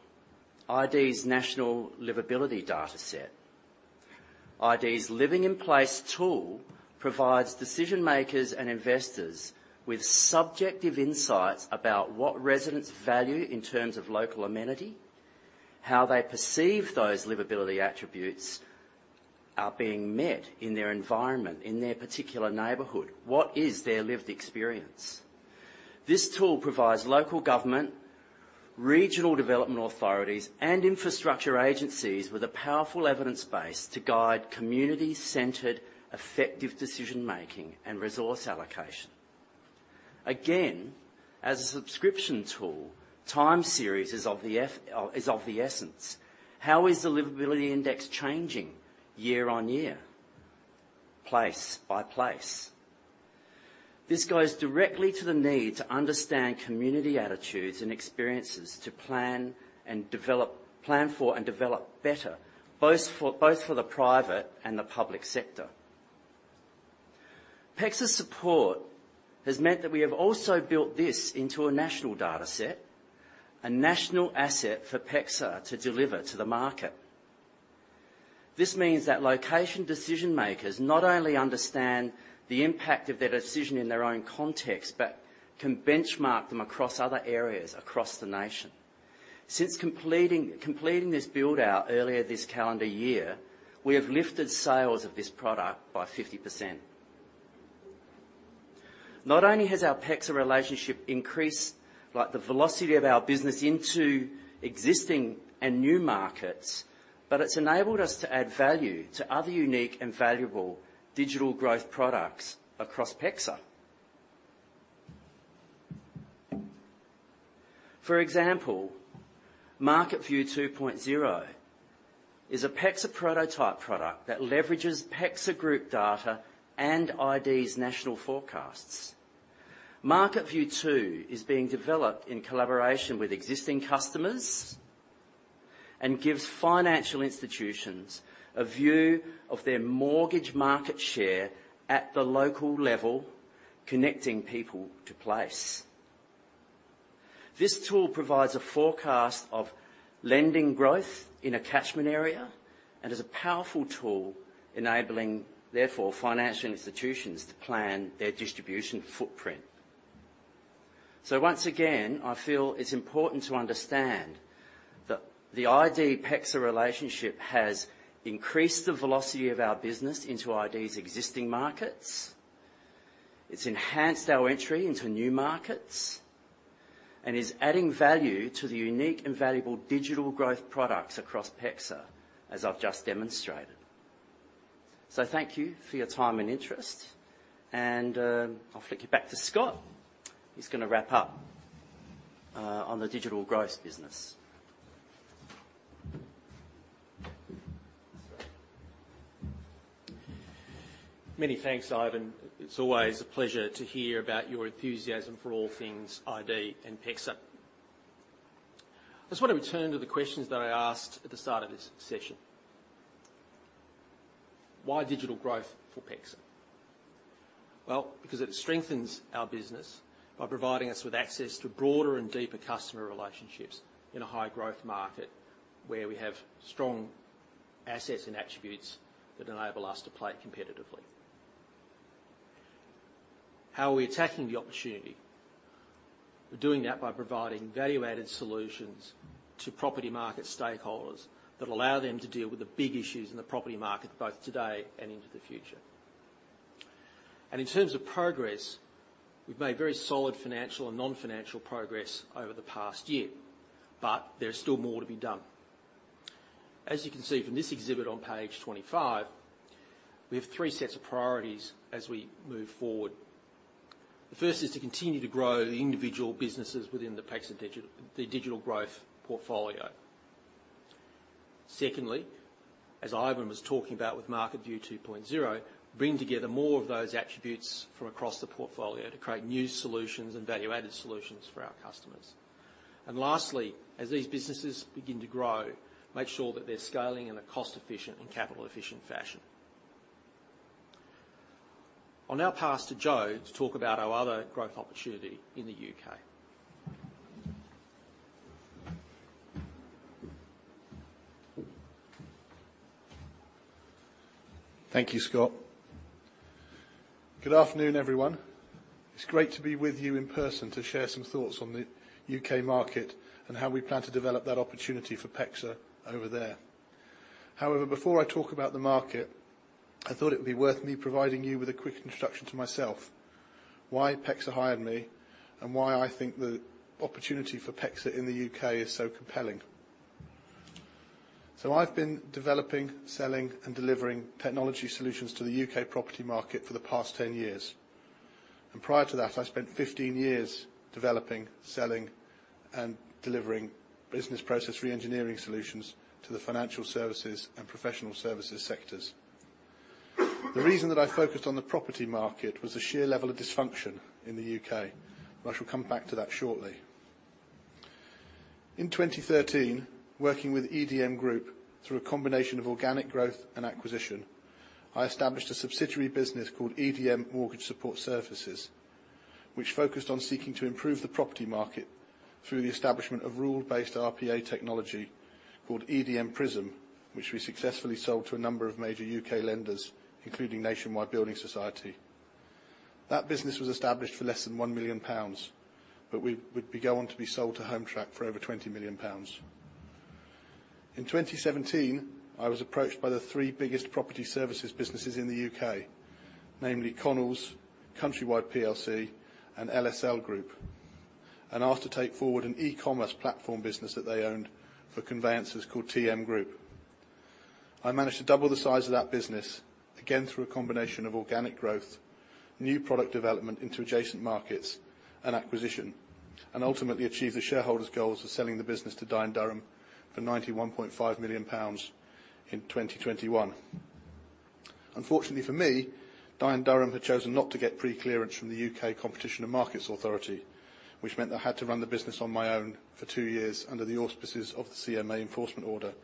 .id's National Livability data set. .id's Living in Place tool provides decision makers and investors with subjective insights about what residents value in terms of local amenity, how they perceive those livability attributes are being met in their environment, in their particular neighborhood. What is their lived experience? This tool provides local government, regional development authorities, and infrastructure agencies with a powerful evidence base to guide community-centered, effective decision making and resource allocation. Again, as a subscription tool, time series is of the essence. How is the livability index changing year-on-year, place-by-place? This goes directly to the need to understand community attitudes and experiences to plan and develop, plan for and develop better, both for the private and the public sector. PEXA's support has meant that we have also built this into a national data set, a national asset for PEXA to deliver to the market. This means that location decision makers not only understand the impact of their decision in their own context, but can benchmark them across other areas across the nation. Since completing this build-out earlier this calendar year, we have lifted sales of this product by 50%. Not only has our PEXA relationship increased, like, the velocity of our business into existing and new markets, but it's enabled us to add value to other unique and valuable digital growth products across PEXA. For example, Market View 2.0 is a PEXA prototype product that leverages PEXA Group data and .id's national forecasts. Market View 2 is being developed in collaboration with existing customers, and gives financial institutions a view of their mortgage market share at the local level, connecting people to place. This tool provides a forecast of lending growth in a catchment area and is a powerful tool enabling, therefore, financial institutions to plan their distribution footprint. I feel it's important to understand that the .id PEXA relationship has increased the velocity of our business into .id's existing markets. It's enhanced our entry into new markets, and is adding value to the unique and valuable digital growth products across PEXA, as I've just demonstrated. Thank you for your time and interest, and I'll flick you back to Scott. He's gonna wrap up on the digital growth business. Many thanks, Ivan. It's always a pleasure to hear about your enthusiasm for all things .id and PEXA. I just want to return to the questions that I asked at the start of this session. Why digital growth for PEXA? Well, because it strengthens our business by providing us with access to broader and deeper customer relationships in a high-growth market, where we have strong assets and attributes that enable us to play competitively. How are we attacking the opportunity? We're doing that by providing value-added solutions to property market stakeholders, that allow them to deal with the big issues in the property market, both today and into the future. In terms of progress, we've made very solid financial and non-financial progress over the past year, but there is still more to be done. As you can see from this exhibit on page 25, we have three sets of priorities as we move forward. The first is to continue to grow the individual businesses within the PEXA digital, the digital growth portfolio. Secondly, as Ivan was talking about with Market View 2.0, bring together more of those attributes from across the portfolio to create new solutions and value-added solutions for our customers. And lastly, as these businesses begin to grow, make sure that they're scaling in a cost-efficient and capital-efficient fashion. I'll now pass to Joe to talk about our other growth opportunity in the U.K. Thank you, Scott. Good afternoon, everyone. It's great to be with you in person to share some thoughts on the U.K. market and how we plan to develop that opportunity for PEXA over there. However, before I talk about the market, I thought it would be worth me providing you with a quick introduction to myself, why PEXA hired me, and why I think the opportunity for PEXA in the U.K. is so compelling. So I've been developing, selling, and delivering technology solutions to the U.K. property market for the past 10 years, and prior to that, I spent 15 years developing, selling, and delivering business process reengineering solutions to the financial services and professional services sectors. The reason that I focused on the property market was the sheer level of dysfunction in the U.K. but I shall come back to that shortly. In 2013, working with EDM Group, through a combination of organic growth and acquisition, I established a subsidiary business called EDM Mortgage Support Services, which focused on seeking to improve the property market through the establishment of rule-based RPA technology called EDM Prism, which we successfully sold to a number of major U.K. lenders, including Nationwide Building Society. That business was established for less than 1 million pounds, but we would go on to be sold to Hometrack for over 20 million pounds. In 2017, I was approached by the three biggest property services businesses in the U.K., namely Connells, Countrywide PLC, and LSL Group, and asked to take forward an e-commerce platform business that they owned for conveyancers called TM Group. I managed to double the size of that business, again, through a combination of organic growth, new product development into adjacent markets, and acquisition, and ultimately achieve the shareholders' goals of selling the business to Dye & Durham for 91.5 million pounds in 2021. Unfortunately, for me, Dye & Durham had chosen not to get pre-clearance from the U.K. Competition and Markets Authority, which meant I had to run the business on my own for two years under the auspices of the CMA enforcement order,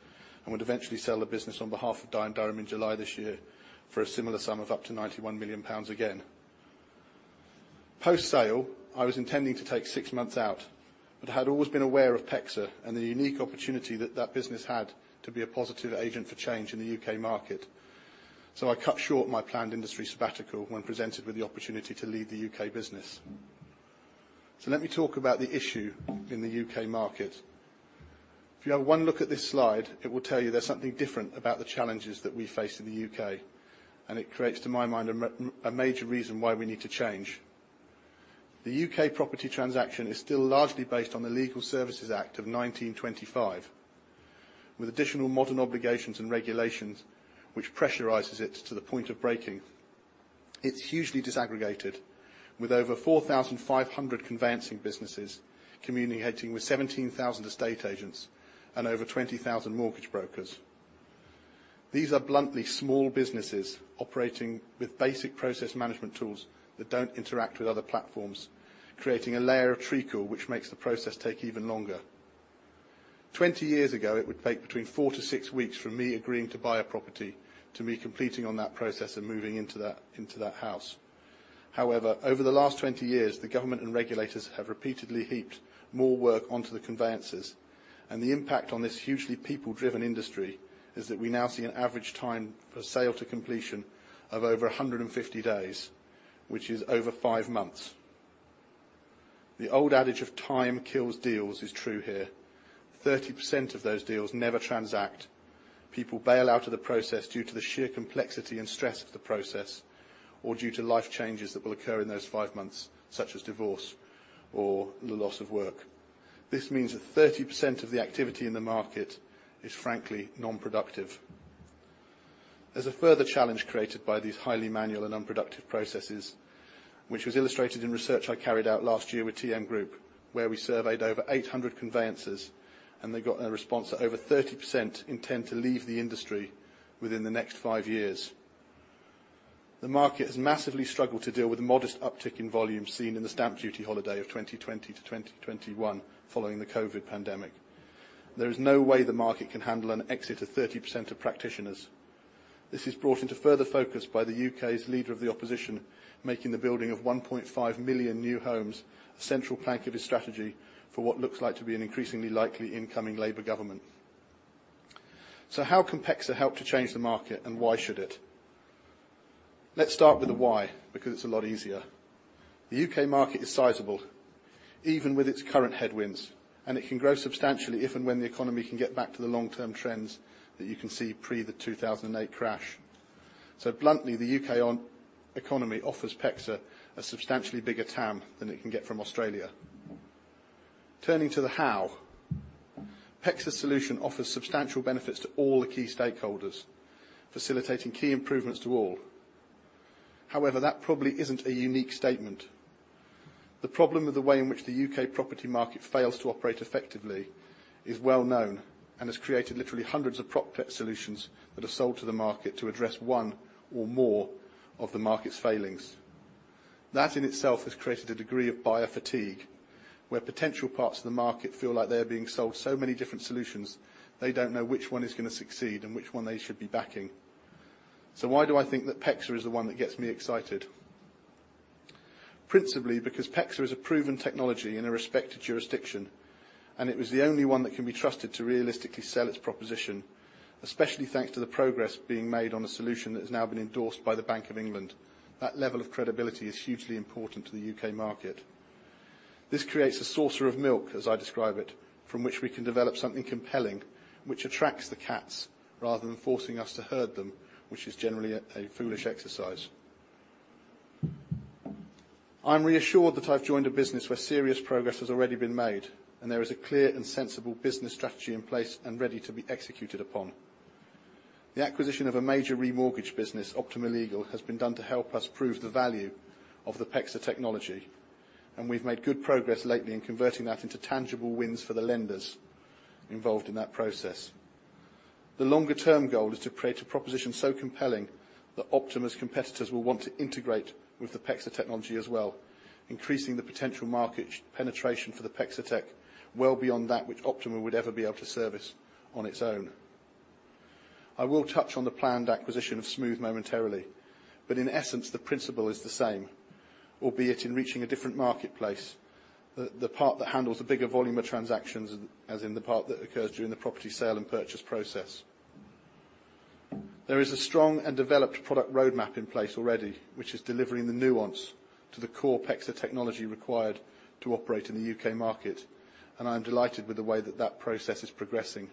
and would eventually sell the business on behalf of Dye & Durham in July this year for a similar sum of up to GBP 91 million again. Post-sale, I was intending to take six months out, but had always been aware of PEXA and the unique opportunity that that business had to be a positive agent for change in the U.K. market. I cut short my planned industry sabbatical when presented with the opportunity to lead the U.K. business. Let me talk about the issue in the U.K. market. If you have one look at this slide, it will tell you there's something different about the challenges that we face in the U.K., and it creates, to my mind, a major reason why we need to change. The U.K. property transaction is still largely based on the Legal Services Act of 1925, with additional modern obligations and regulations which pressurizes it to the point of breaking. It's hugely disaggregated, with over 4,500 conveyancing businesses communicating with 17,000 estate agents and over 20,000 mortgage brokers. These are bluntly small businesses operating with basic process management tools that don't interact with other platforms, creating a layer of treacle, which makes the process take even longer. 20 years ago, it would take between 4-6 weeks from me agreeing to buy a property, to me completing on that process and moving into that, into that house. However, over the last 20 years, the government and regulators have repeatedly heaped more work onto the conveyancers, and the impact on this hugely people-driven industry is that we now see an average time for sale to completion of over 150 days, which is over 5 months. The old adage of time kills deals is true here. 30% of those deals never transact. People bail out of the process due to the sheer complexity and stress of the process, or due to life changes that will occur in those five months, such as divorce or the loss of work. This means that 30% of the activity in the market is frankly non-productive. There's a further challenge created by these highly manual and unproductive processes, which was illustrated in research I carried out last year with TM Group, where we surveyed over 800 conveyancers, and they got a response that over 30% intend to leave the industry within the next 5 years. The market has massively struggled to deal with the modest uptick in volume seen in the stamp duty holiday of 2020-2021 following the COVID pandemic. There is no way the market can handle an exit of 30% of practitioners. This is brought into further focus by the U.K.'s Leader of the Opposition, making the building of 1.5 million new homes a central plank of his strategy for what looks like to be an increasingly likely incoming Labour government. So how can PEXA help to change the market, and why should it? Let's start with the why, because it's a lot easier. The U.K. market is sizable, even with its current headwinds, and it can grow substantially if and when the economy can get back to the long-term trends that you can see pre the 2008 crash. So bluntly, the U.K. economy offers PEXA a substantially bigger TAM than it can get from Australia. Turning to the how, PEXA's solution offers substantial benefits to all the key stakeholders, facilitating key improvements to all. However, that probably isn't a unique statement. The problem with the way in which the U.K. property market fails to operate effectively is well known and has created literally hundreds of proptech solutions that are sold to the market to address one or more of the market's failings. That, in itself, has created a degree of buyer fatigue, where potential parts of the market feel like they are being sold so many different solutions, they don't know which one is gonna succeed and which one they should be backing. Why do I think that PEXA is the one that gets me excited? Principally, because PEXA is a proven technology in a respected jurisdiction, and it was the only one that can be trusted to realistically sell its proposition, especially thanks to the progress being made on a solution that has now been endorsed by the Bank of England. That level of credibility is hugely important to the U.K. market. This creates a saucer of milk, as I describe it, from which we can develop something compelling, which attracts the cats, rather than forcing us to herd them, which is generally a foolish exercise. I'm reassured that I've joined a business where serious progress has already been made, and there is a clear and sensible business strategy in place and ready to be executed upon. The acquisition of a major remortgage business, Optima Legal, has been done to help us prove the value of the PEXA technology, and we've made good progress lately in converting that into tangible wins for the lenders involved in that process. The longer term goal is to create a proposition so compelling that Optima's competitors will want to integrate with the PEXA technology as well, increasing the potential market penetration for the PEXA tech well beyond that which Optima would ever be able to service on its own. I will touch on the planned acquisition of Smoove momentarily, but in essence, the principle is the same, albeit in reaching a different marketplace, the part that handles a bigger volume of transactions as in the part that occurs during the property sale and purchase process. There is a strong and developed product roadmap in place already, which is delivering the nuance to the core PEXA technology required to operate in the U.K. market, and I'm delighted with the way that that process is progressing.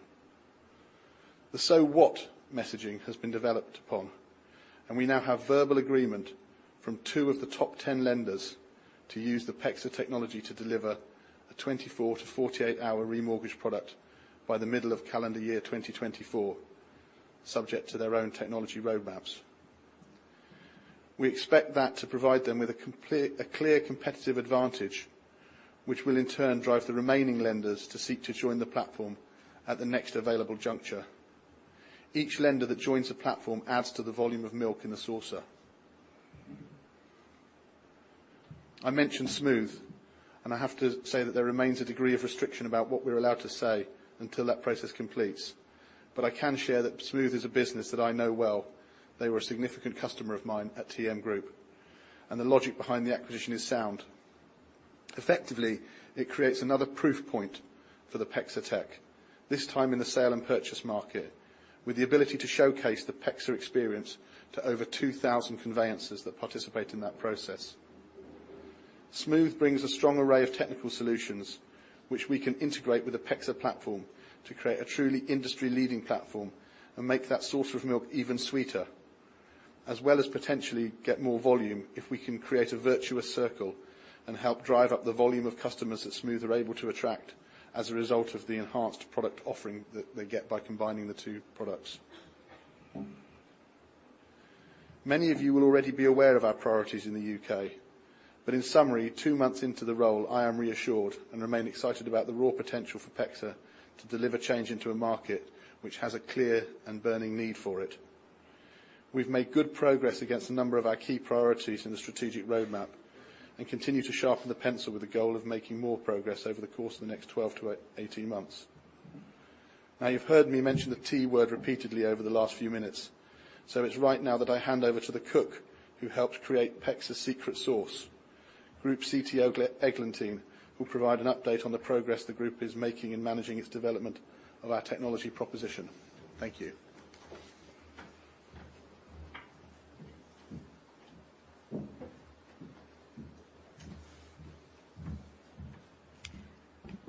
The so what messaging has been developed upon, and we now have verbal agreement from two of the top 10 lenders to use the PEXA technology to deliver a 24-48-hour remortgage product by the middle of calendar year 2024, subject to their own technology roadmaps. We expect that to provide them with a clear competitive advantage, which will in turn drive the remaining lenders to seek to join the platform at the next available juncture. Each lender that joins the platform adds to the volume of milk in the saucer. I mentioned Smoove, and I have to say that there remains a degree of restriction about what we're allowed to say until that process completes. But I can share that Smoove is a business that I know well. They were a significant customer of mine at TM Group, and the logic behind the acquisition is sound. Effectively, it creates another proof point for the PEXA tech, this time in the sale and purchase market, with the ability to showcase the PEXA experience to over 2,000 conveyancers that participate in that process. Smoove brings a strong array of technical solutions, which we can integrate with the PEXA platform to create a truly industry-leading platform and make that saucer of milk even sweeter, as well as potentially get more volume, if we can create a virtuous circle and help drive up the volume of customers that Smoove are able to attract as a result of the enhanced product offering that they get by combining the two products. Many of you will already be aware of our priorities in the U.K. but in summary, two months into the role, I am reassured and remain excited about the raw potential for PEXA to deliver change into a market which has a clear and burning need for it. We've made good progress against a number of our key priorities in the strategic roadmap and continue to sharpen the pencil with the goal of making more progress over the course of the next 12-18 months. Now, you've heard me mention the T word repeatedly over the last few minutes, so it's right now that I hand over to the cook who helped create PEXA's secret sauce. Group CTO, Eglantine, will provide an update on the progress the group is making in managing its development of our technology proposition. Thank you.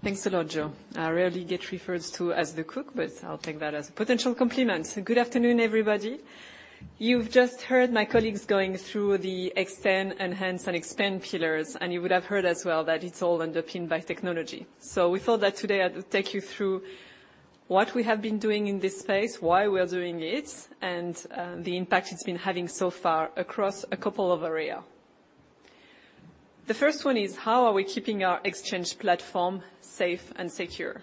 Thanks a lot, Joe. I rarely get referred to as the cook, but I'll take that as a potential compliment. Good afternoon, everybody. You've just heard my colleagues going through the extend, enhance, and expand pillars, and you would have heard as well that it's all underpinned by technology. We thought that today I'd take you through what we have been doing in this space, why we are doing it, and the impact it's been having so far across a couple of area. The first one is, how are we keeping our exchange platform safe and secure?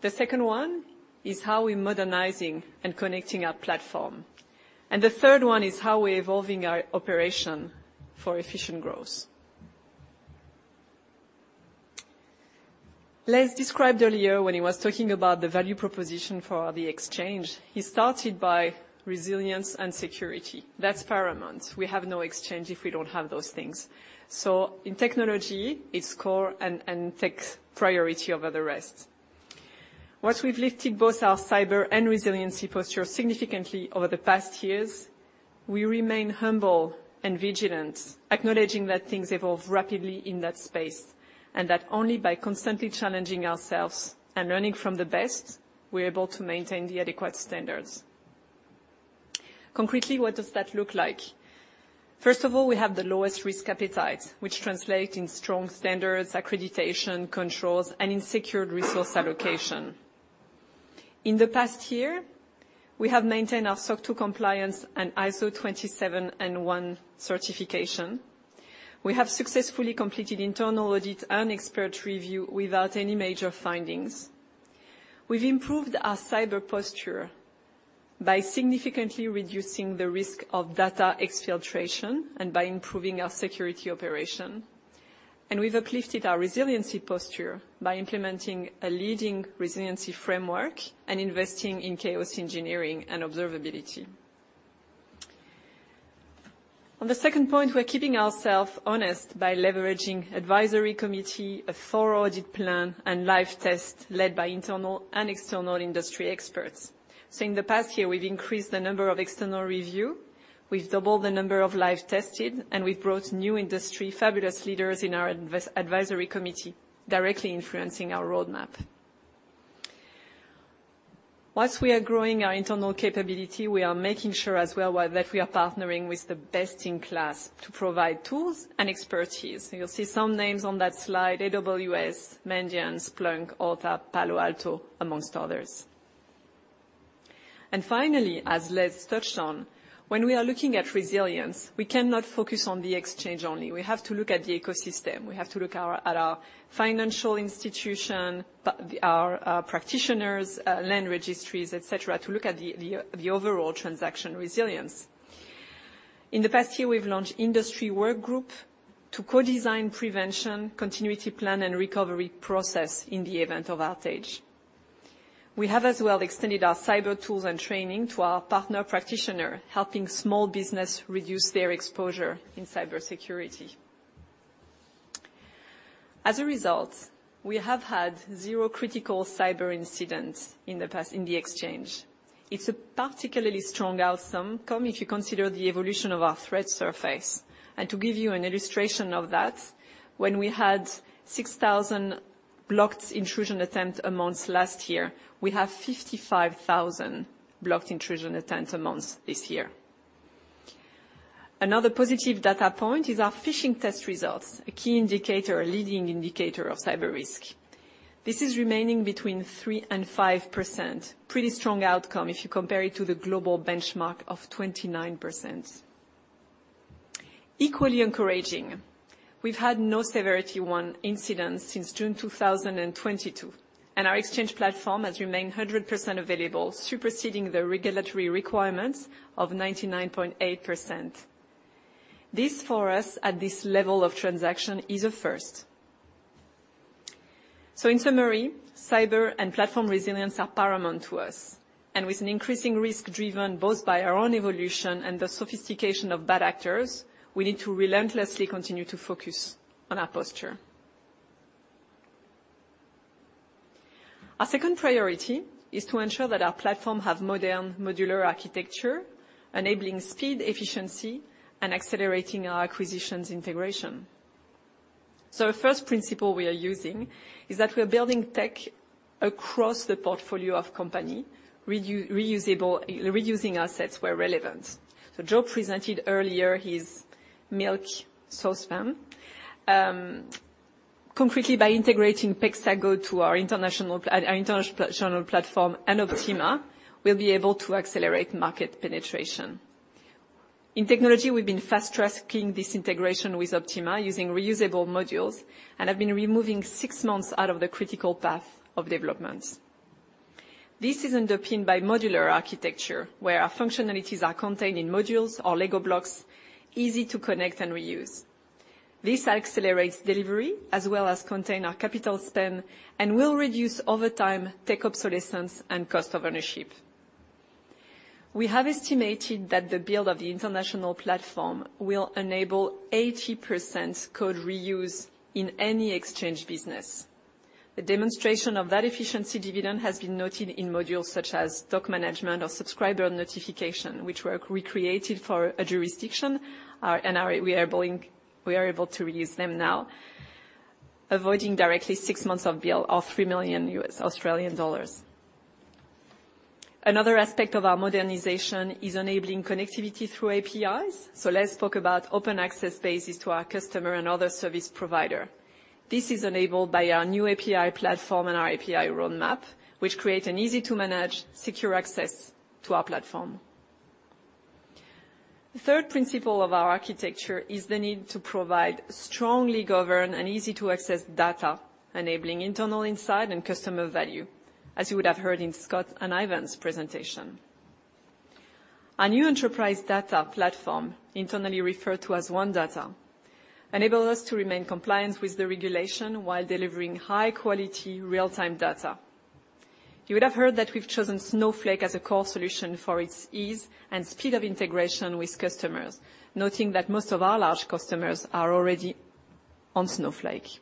The second one is how we're modernizing and connecting our platform. The third one is how we're evolving our operation for efficient growth. Les described earlier when he was talking about the value proposition for the exchange. He started by resilience and security. That's paramount. We have no exchange if we don't have those things. In technology, it's core and takes priority over the rest. Once we've lifted both our cyber and resiliency posture significantly over the past years, we remain humble and vigilant, acknowledging that things evolve rapidly in that space, and that only by constantly challenging ourselves and learning from the best, we're able to maintain the adequate standards. Concretely, what does that look like? First of all, we have the lowest risk appetite, which translates in strong standards, accreditation, controls, and in secured resource allocation. In the past year, we have maintained our SOC 2 compliance and ISO 27001 certification. We have successfully completed internal audit and expert review without any major findings. We've improved our cyber posture by significantly reducing the risk of data exfiltration and by improving our security operation. We've uplifted our resiliency posture by implementing a leading resiliency framework and investing in chaos engineering and observability. On the second point, we're keeping ourselves honest by leveraging advisory committee, a thorough audit plan, and live test led by internal and external industry experts. In the past year, we've increased the number of external review, we've doubled the number of live tested, and we've brought new industry, fabulous leaders in our advisory committee, directly influencing our roadmap. Once we are growing our internal capability, we are making sure as well, well, that we are partnering with the best-in-class to provide tools and expertise. You'll see some names on that slide, AWS, Mandiant, Splunk, Auth0, Palo Alto, amongst others. Finally, as Les touched on, when we are looking at resilience, we cannot focus on the exchange only. We have to look at the ecosystem. We have to look at our financial institution, our practitioners, land registries, et cetera, to look at the overall transaction resilience. In the past year, we've launched industry work group to co-design prevention, continuity plan, and recovery process in the event of outage. We have as well extended our cyber tools and training to our partner practitioner, helping small business reduce their exposure in cybersecurity. As a result, we have had zero critical cyber incidents in the past in the exchange. It's a particularly strong outcome if you consider the evolution of our threat surface. To give you an illustration of that, when we had 6,000 blocked intrusion attempts a month last year, we have 55,000 blocked intrusion attempts a month this year. Another positive data point is our phishing test results, a key indicator, a leading indicator of cyber risk. This is remaining between 3% and 5%. Pretty strong outcome if you compare it to the global benchmark of 29%. Equally encouraging, we've had no severity one incidents since June 2022, and our exchange platform has remained 100% available, superseding the regulatory requirements of 99.8%. This, for us, at this level of transaction, is a first. In summary, cyber and platform resilience are paramount to us, and with an increasing risk driven both by our own evolution and the sophistication of bad actors, we need to relentlessly continue to focus on our posture. Our second priority is to ensure that our platform have modern, modular architecture, enabling speed, efficiency, and accelerating our acquisitions integration. The first principle we are using is that we are building tech across the portfolio of company, reusable, reusing assets where relevant. Joe presented earlier his milk source fam. Concretely, by integrating PEXA Go to our international platform and Optima, we'll be able to accelerate market penetration. In technology, we've been fast-tracking this integration with Optima using reusable modules, and have been removing six months out of the critical path of developments. This is underpinned by modular architecture, where our functionalities are contained in modules or Lego blocks, easy to connect and reuse. This accelerates delivery as well as contain our capital spend, and will reduce over time, tech obsolescence and cost of ownership. We have estimated that the build of the international platform will enable 80% code reuse in any exchange business. A demonstration of that efficiency dividend has been noted in modules such as stock management or subscriber notification, which were recreated for a jurisdiction and are, we are building, we are able to reuse them now, avoiding directly six months of build or AUD 3 million. Another aspect of our modernization is enabling connectivity through APIs. Let's talk about open access basis to our customer and other service provider. This is enabled by our new API platform and our API roadmap, which create an easy-to-manage, secure access to our platform. The third principle of our architecture is the need to provide strongly governed and easy-to-access data, enabling internal insight and customer value, as you would have heard in Scott and Ivan's presentation. Our new enterprise data platform, internally referred to as One Data, enable us to remain compliant with the regulation while delivering high-quality, real-time data. You would have heard that we've chosen Snowflake as a core solution for its ease and speed of integration with customers, noting that most of our large customers are already on Snowflake.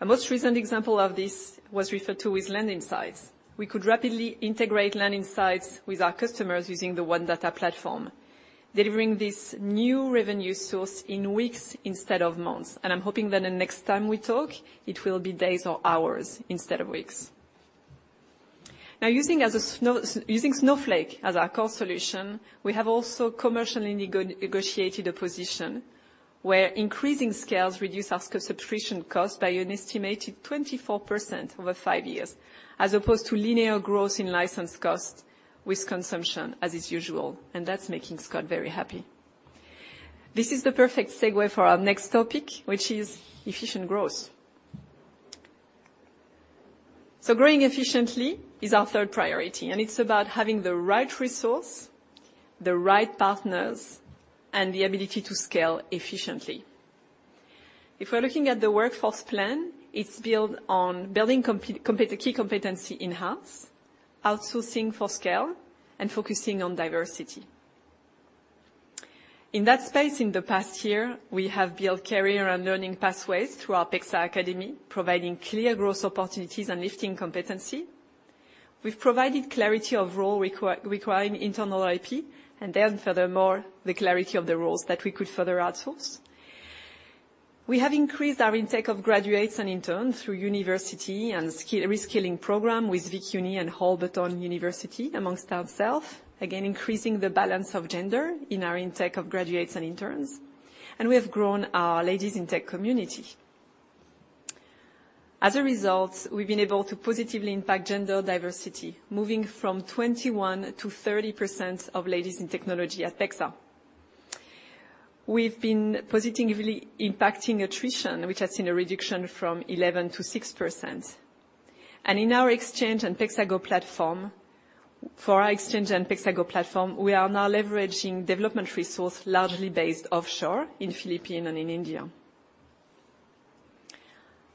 A most recent example of this was referred to with LandInsight. We could rapidly integrate LandInsight with our customers using the One Data platform, delivering this new revenue source in weeks instead of months, and I'm hoping that the next time we talk, it will be days or hours instead of weeks. Now, using Snowflake as our core solution, we have also commercially negotiated a position where increasing scales reduce our subscription cost by an estimated 24% over five years, as opposed to linear growth in license costs with consumption, as is usual, and that's making Scott very happy. This is the perfect segue for our next topic, which is efficient growth. Growing efficiently is our third priority, and it's about having the right resource, the right partners, and the ability to scale efficiently. If we're looking at the workforce plan, it's built on building key competency in-house, outsourcing for scale, and focusing on diversity. In that space, in the past year, we have built career and learning pathways through our PEXA Academy, providing clear growth opportunities and lifting competency. We've provided clarity of role requiring internal IP, and then furthermore, the clarity of the roles that we could further outsource. We have increased our intake of graduates and interns through university and skill, reskilling program with Vic Uni and Holberton University, amongst ourselves. Again, increasing the balance of gender in our intake of graduates and interns, and we have grown our Ladies in Tech community. As a result, we've been able to positively impact gender diversity, moving from 21% to 30% of ladies in technology at PEXA. We've been positively impacting attrition, which has seen a reduction from 11%-6%. In our Exchange and PEXA Go platform, we are now leveraging development resource largely based offshore in the Philippines and in India.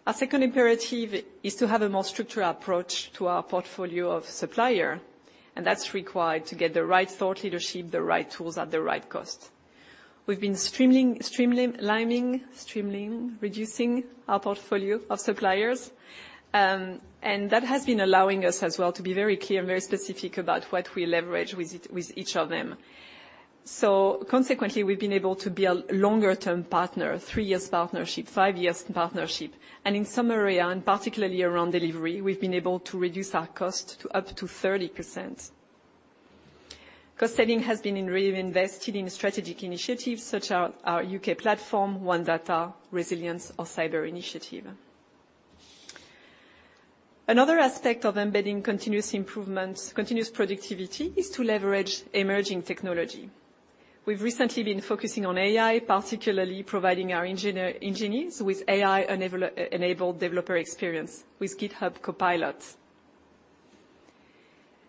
Our second imperative is to have a more structured approach to our portfolio of suppliers, and that's required to get the right thought leadership, the right tools at the right cost. We've been streamlining, reducing our portfolio of suppliers, and that has been allowing us as well to be very clear and very specific about what we leverage with each of them. Consequently, we've been able to build a longer-term partner, three years partnership, five years partnership. In some area, and particularly around delivery, we've been able to reduce our cost to up to 30%. Cost saving has been in reinvesting in strategic initiatives such as our U.K. platform, One Data, Resilience or Cyber Initiative. Another aspect of embedding continuous improvements, continuous productivity, is to leverage emerging technology. We've recently been focusing on AI, particularly providing our engineers with AI-enabled developer experience with GitHub Copilot.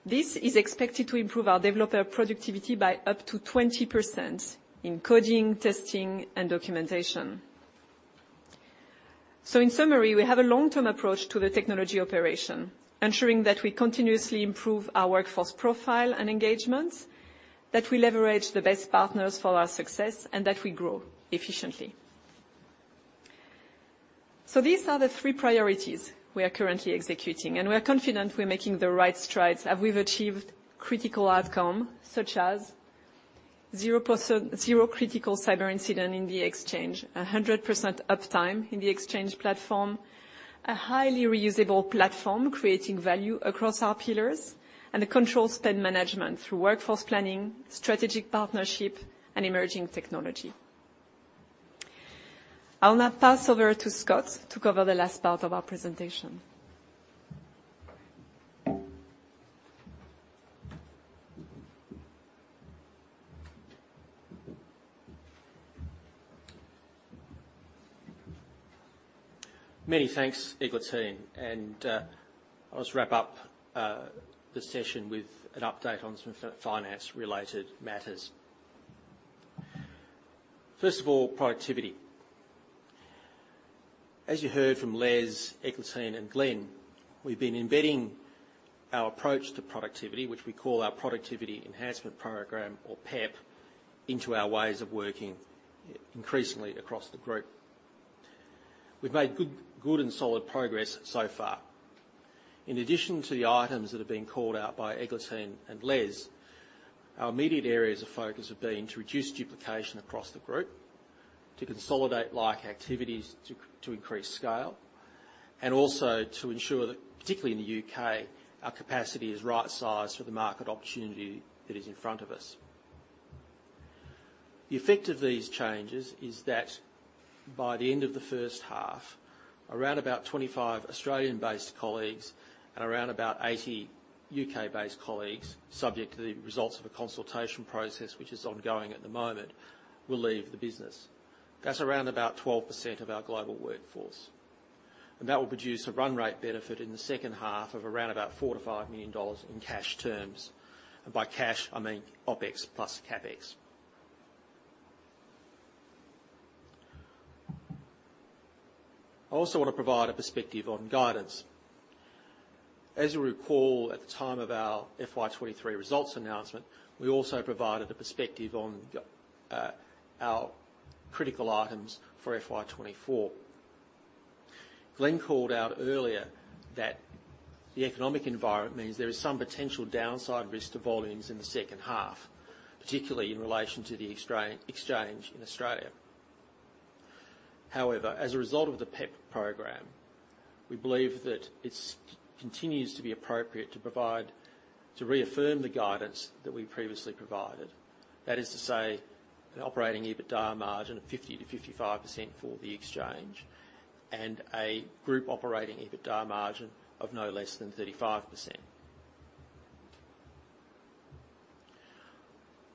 This is expected to improve our developer productivity by up to 20% in coding, testing, and documentation. In summary, we have a long-term approach to the technology operation, ensuring that we continuously improve our workforce profile and engagements, that we leverage the best partners for our success, and that we grow efficiently. These are the three priorities we are currently executing, and we are confident we're making the right strides, as we've achieved critical outcome, such as 0%, zero critical cyber incident in the Exchange, 100% uptime in the Exchange platform, a highly reusable platform creating value across our pillars, and a controlled spend management through workforce planning, strategic partnership, and emerging technology. I'll now pass over to Scott to cover the last part of our presentation. Many thanks, Eglantine. I'll just wrap up the session with an update on some finance-related matters. First of all, productivity. As you heard from Les, Eglantine, and Glenn, we've been embedding our approach to productivity, which we call our Productivity Enhancement Program or PEP, into our ways of working increasingly across the group. We've made good, good and solid progress so far. In addition to the items that have been called out by Eglantine and Les, our immediate areas of focus have been to reduce duplication across the group, to consolidate like activities to increase scale, and also to ensure that, particularly in the U.K., our capacity is right sized for the market opportunity that is in front of us. The effect of these changes is that by the end of the first half, around about 25 Australian-based colleagues and around about 80 U.K. based colleagues, subject to the results of a consultation process which is ongoing at the moment, will leave the business. That's around about 12% of our global workforce, and that will produce a run rate benefit in the second half of around about 4 million-5 million dollars in cash terms. By cash, I mean OpEx plus CapEx. I also want to provide a perspective on guidance. As you'll recall, at the time of our FY 2023 results announcement, we also provided a perspective on our critical items for FY 2024. Glenn called out earlier that the economic environment means there is some potential downside risk to volumes in the second half, particularly in relation to the Exchange in Australia. However, as a result of the PEP program, we believe that it continues to be appropriate to provide, to reaffirm the guidance that we previously provided. That is to say, an operating EBITDA margin of 50%-55% for the Exchange, and a group operating EBITDA margin of no less than 35%.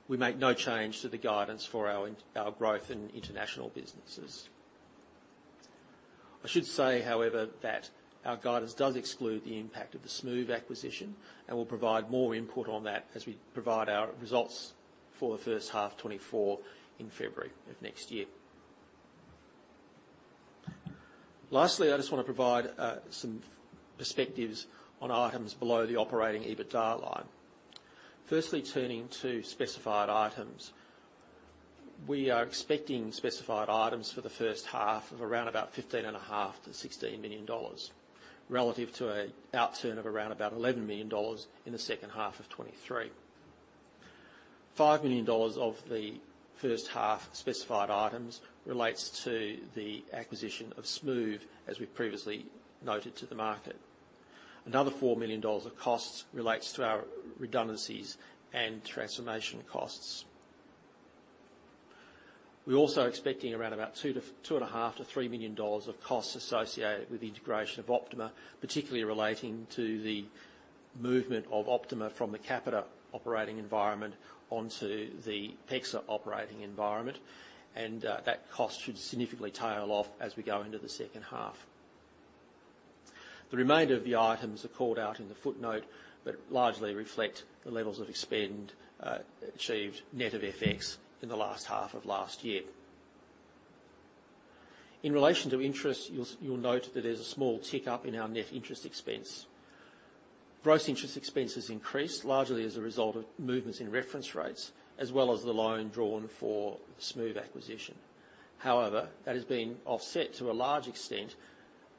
We make no change to the guidance for our growth in international businesses. I should say, however, that our guidance does exclude the impact of the Smoove acquisition, and we'll provide more input on that as we provide our results for the first half 2024 in February of next year. Lastly, I just want to provide some perspectives on items below the operating EBITDA line. Firstly, turning to specified items. We are expecting specified items for the first half of around about 15.5 million-16 million dollars, relative to an outturn of around about 11 million dollars in the second half of 2023. 5 million dollars of the first half specified items relates to the acquisition of Smoove, as we previously noted to the market. Another 4 million dollars of costs relates to our redundancies and transformation costs. We're also expecting around about 2 million-2.5 million-AUD 3 million of costs associated with the integration of Optima, particularly relating to the movement of Optima from the Capita operating environment onto the PEXA operating environment, and that cost should significantly tail off as we go into the second half. The remainder of the items are called out in the footnote, but largely reflect the levels of expend achieved net of FX in the last half of last year. In relation to interest, you'll note that there's a small tick up in our net interest expense. Gross interest expense has increased largely as a result of movements in reference rates, as well as the loan drawn for the Smoove acquisition. However, that has been offset to a large extent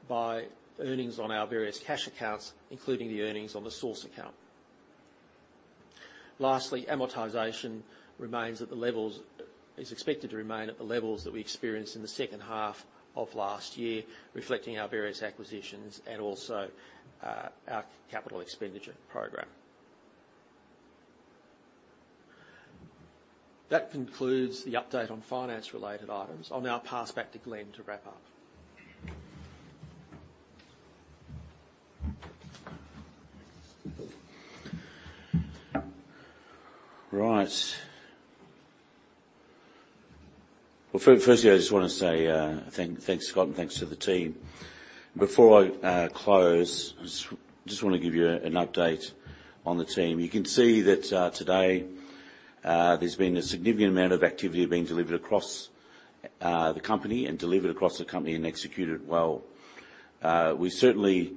by earnings on our various cash accounts, including the earnings on the Source account. Lastly, amortization remains at the levels, is expected to remain at the levels that we experienced in the second half of last year, reflecting our various acquisitions and also our capital expenditure program. That concludes the update on finance-related items. I'll now pass back to Glenn to wrap up. Right. Well, firstly, I just want to say, thank, thanks, Scott, and thanks to the team. Before I close, I just want to give you an update on the team. You can see that today, there's been a significant amount of activity being delivered across the company and delivered across the company and executed well. We certainly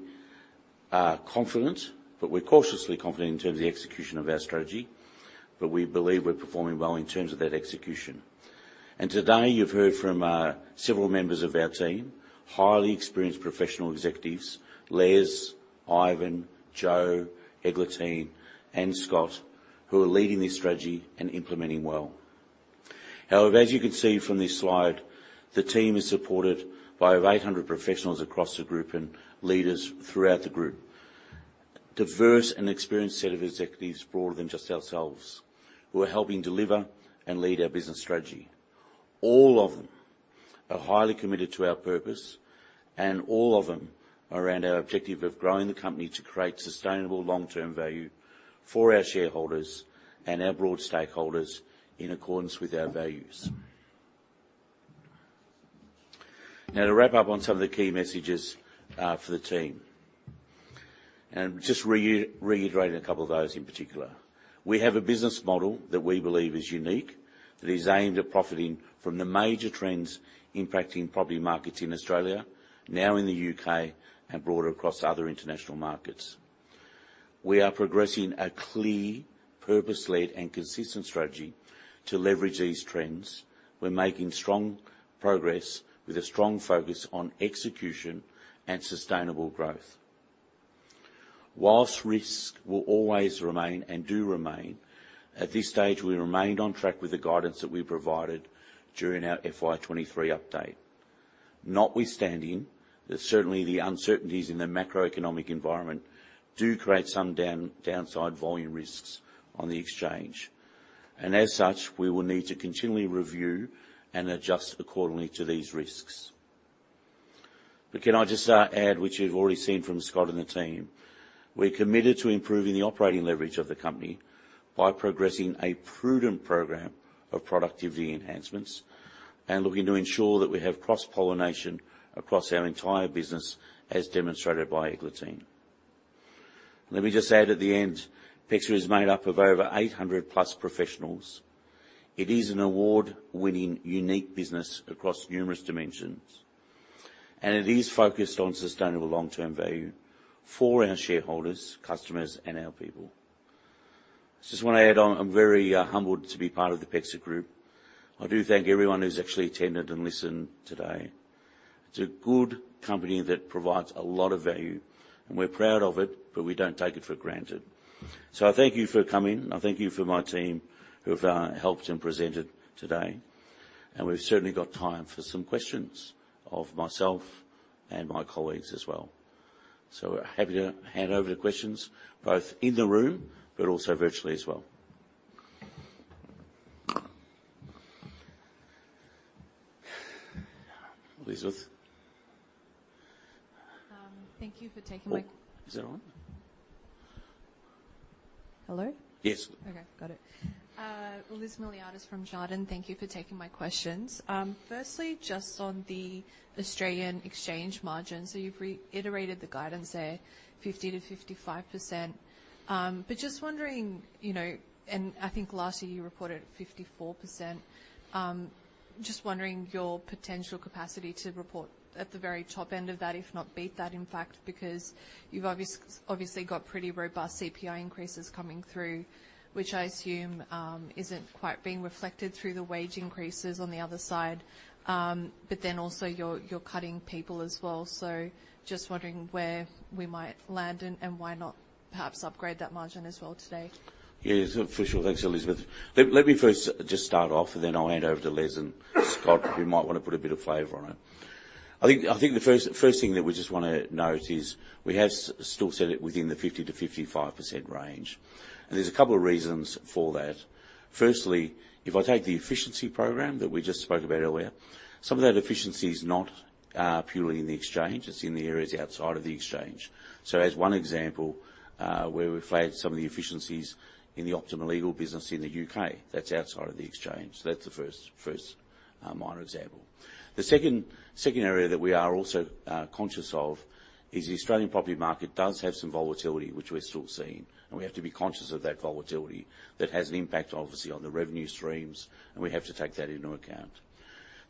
are confident, but we're cautiously confident in terms of the execution of our strategy, but we believe we're performing well in terms of that execution. Today, you've heard from several members of our team, highly experienced professional executives, Les, Ivan, Joe, Eglantine, and Scott, who are leading this strategy and implementing well. However, as you can see from this slide, the team is supported by over 800 professionals across the group and leaders throughout the group. Diverse and experienced set of executives, broader than just ourselves, who are helping deliver and lead our business strategy. All of them are highly committed to our purpose, and all of them are around our objective of growing the company to create sustainable long-term value for our shareholders and our broad stakeholders in accordance with our values. Now, to wrap up on some of the key messages for the team, and just reiterating a couple of those in particular. We have a business model that we believe is unique, that is aimed at profiting from the major trends impacting property markets in Australia, now in the U.K., and broader across other international markets. We are progressing a clear, purpose-led, and consistent strategy to leverage these trends. We're making strong progress with a strong focus on execution and sustainable growth. Whilst risks will always remain and do remain, at this stage, we remained on track with the guidance that we provided during our FY 2023 update. Notwithstanding, certainly the uncertainties in the macroeconomic environment do create some downside volume risks on the exchange, and as such, we will need to continually review and adjust accordingly to these risks. Can I just add, which you've already seen from Scott and the team, we're committed to improving the operating leverage of the company by progressing a prudent program of productivity enhancements and looking to ensure that we have cross-pollination across our entire business, as demonstrated by Eglantine. Let me just add at the end, PEXA is made up of over 800 plus professionals. It is an award-winning, unique business across numerous dimensions, and it is focused on sustainable long-term value for our shareholders, customers, and our people. I just want to add on, I'm very humbled to be part of the PEXA Group. I do thank everyone who's actually attended and listened today. It's a good company that provides a lot of value, and we're proud of it, but we don't take it for granted. I thank you for coming, and I thank you for my team who have helped and presented today. We've certainly got time for some questions of myself and my colleagues as well. Happy to hand over to questions, both in the room but also virtually as well. Elizabeth? Thank you for taking my. Oh, is that on? Hello? Yes. Okay, got it. Elizabeth Miliaris from Jarden. Thank you for taking my questions. Firstly, just on the Australian Exchange margin, you've reiterated the guidance there, 50%-55%. Just wondering, you know, I think last year you reported 54%, just wondering your potential capacity to report at the very top end of that, if not beat that, in fact, because you've obviously got pretty robust CPI increases coming through, which I assume isn't quite being reflected through the wage increases on the other side. Also, you're cutting people as well. Just wondering where we might land and why not perhaps upgrade that margin as well today? Yes, for sure. Thanks, Elizabeth. Let me first just start off, and then I'll hand over to Les and Scott, who might want to put a bit of flavor on it. I think the first thing that we just want to note is we have still set it within the 50-55% range, and there's a couple of reasons for that. Firstly, if I take the efficiency program that we just spoke about earlier, some of that efficiency is not purely in the exchange, it's in the areas outside of the exchange. As one example, where we've laid some of the efficiencies in the Optima Legal business in the U.K., that's outside of the exchange. That's the first minor example. The second area that we are also conscious of is the Australian property market does have some volatility, which we're still seeing, and we have to be conscious of that volatility that has an impact, obviously, on the revenue streams, and we have to take that into account.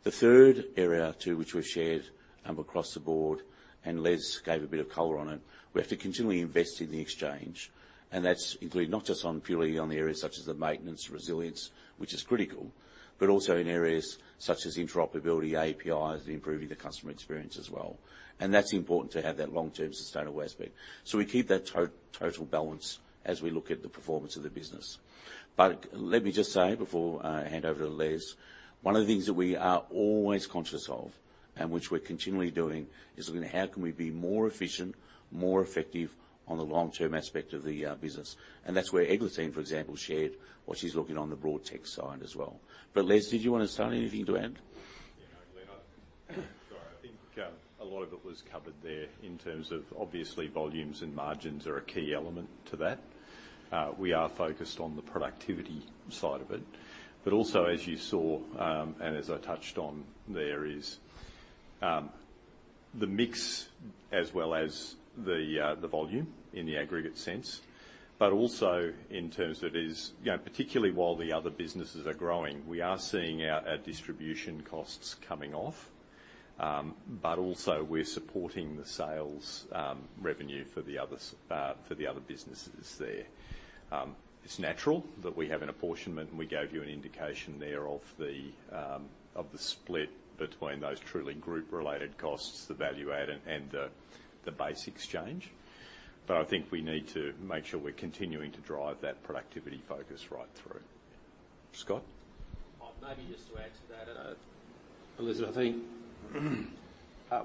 The third area, to which we've shared across the board, and Les gave a bit of color on it. We have to continually invest in the exchange, and that's including not just purely on the areas such as the maintenance, resilience, which is critical, but also in areas such as interoperability, APIs, and improving the customer experience as well. That's important to have that long-term, sustainable aspect. We keep that total balance as we look at the performance of the business. Let me just say before I hand over to Les, one of the things that we are always conscious of, and which we're continually doing, is looking at how can we be more efficient, more effective on the long-term aspect of the business? That's where Elizabeth, for example, shared what she's looking on the broad tech side as well. Les, did you want to say anything to add? Yeah, Glenn, sorry. I think a lot of it was covered there in terms of obviously, volumes and margins are a key element to that. We are focused on the productivity side of it, but also, as you saw, and as I touched on there, is, the mix as well as the volume in the aggregate sense, but also in terms of it is, you know, particularly while the other businesses are growing, we are seeing our, our distribution costs coming off. Also, we're supporting the sales revenue for the other businesses there. It's natural that we have an apportionment, and we gave you an indication there of the split between those truly group-related costs, the value add, and the base exchange. But I think we need to make sure we're continuing to drive that productivity focus right through. Scott? Maybe just to add to that, Elizabeth,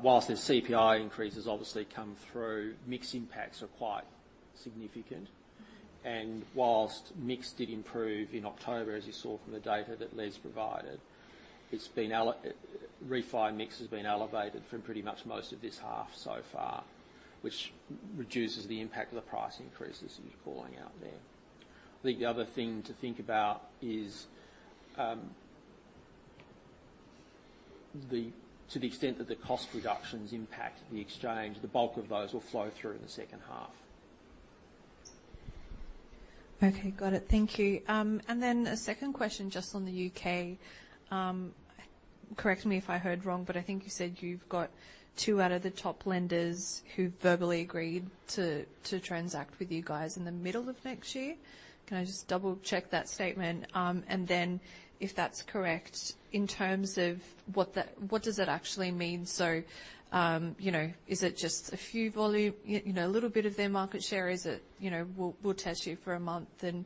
whilst the CPI increases obviously come through, mix impacts are quite significant, and whilst mix did improve in October, as you saw from the data that Les provided, it's been refine mix has been elevated from pretty much most of this half so far, which reduces the impact of the price increases that you're calling out there. I think the other thing to think about is, the-- to the extent that the cost reductions impact the exchange, the bulk of those will flow through in the second half. Okay, got it. Thank you. And then a second question, just on the U.K. Correct me if I heard wrong, but I think you said you've got two out of the top lenders who verbally agreed to transact with you guys in the middle of next year. Can I just double-check that statement? And then if that's correct, in terms of what that—what does that actually mean? You know, is it just a few volume, you know, a little bit of their market share? Is it, you know, we'll test you for a month and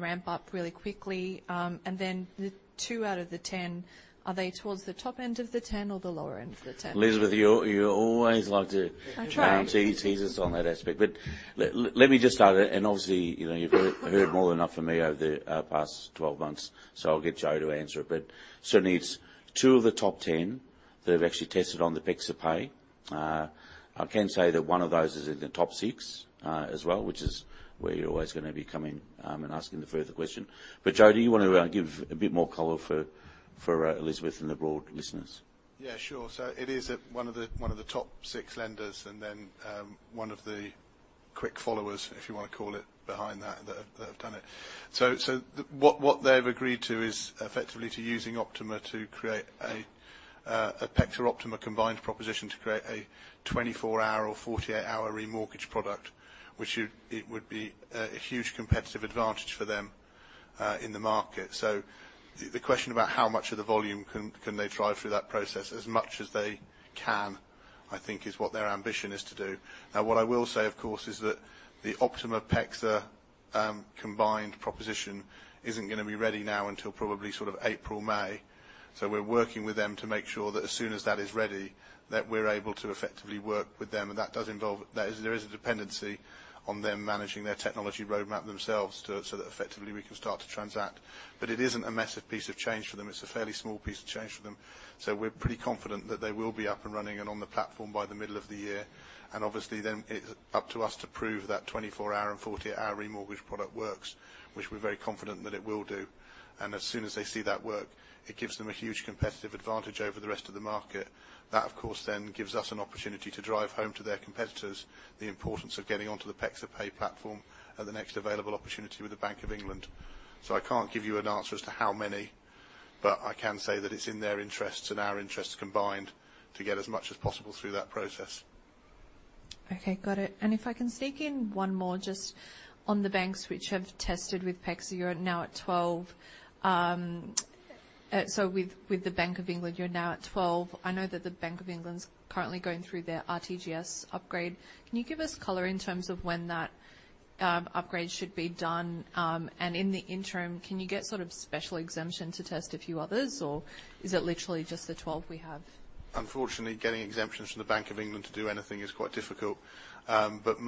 ramp up really quickly? And then the two out of the 10, are they towards the top end of the 10 or the lower end of the 10? Elisabeth, you always like to. I try. Let me just start, and obviously, you know, you've heard, heard more than enough from me over the past 12 months, so I'll get Joe to answer it. Certainly, it's two of the top 10 that have actually tested on the PEXA Pay. I can say that one of those is in the top six as well, which is where you're always gonna be coming, you know, and asking the further question. Joe, do you want to give a bit more color for Elisabeth and the broad listeners? Yeah, sure. It is one of the top six lenders, and then one of the quick followers, if you want to call it, behind that, that have done it. What they've agreed to is effectively to using Optima Legal to create a PEXA or Optima Legal combined proposition to create a 24-hour or 48-hour remortgage product, which would be a huge competitive advantage for them in the market. The question about how much of the volume can they drive through that process? As much as they can, I think, is what their ambition is to do. Now, what I will say, of course, is that the Optima Legal-PEXA combined proposition isn't gonna be ready now until probably sort of April, May. We're working with them to make sure that as soon as that is ready, that we're able to effectively work with them, and that does involve... There is, there is a dependency on them managing their technology roadmap themselves so that effectively we can start to transact. It isn't a massive piece of change for them. It's a fairly small piece of change for them. We're pretty confident that they will be up and running and on the platform by the middle of the year. Obviously, then it's up to us to prove that 24-hour and 48-hour remortgage product works, which we're very confident that it will do. As soon as they see that work, it gives them a huge competitive advantage over the rest of the market. That, of course, then gives us an opportunity to drive home to their competitors the importance of getting onto the PEXA Pay platform at the next available opportunity with the Bank of England. So I can't give you an answer as to how many, but I can say that it's in their interests and our interests combined to get as much as possible through that process. Okay, got it. If I can sneak in one more, just on the banks which have tested with PEXA, you're now at 12. With the Bank of England, you're now at 12. I know that the Bank of England's currently going through their RTGS upgrade. Can you give us color in terms of when that upgrade should be done? In the interim, can you get sort of special exemption to test a few others, or is it literally just the 12 we have? Unfortunately, getting exemptions from the Bank of England to do anything is quite difficult. But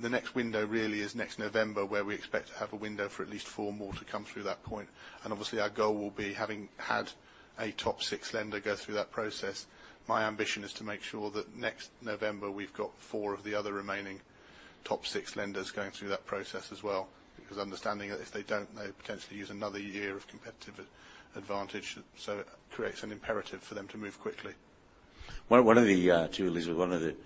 the next window really is next November, where we expect to have a window for at least four more to come through that point. And obviously, our goal will be, having had a top six lender go through that process, my ambition is to make sure that next November we've got four of the other remaining top six lenders going through that process as well. Because understanding that if they don't, they potentially use another year of competitive advantage, so it creates an imperative for them to move quickly. One of the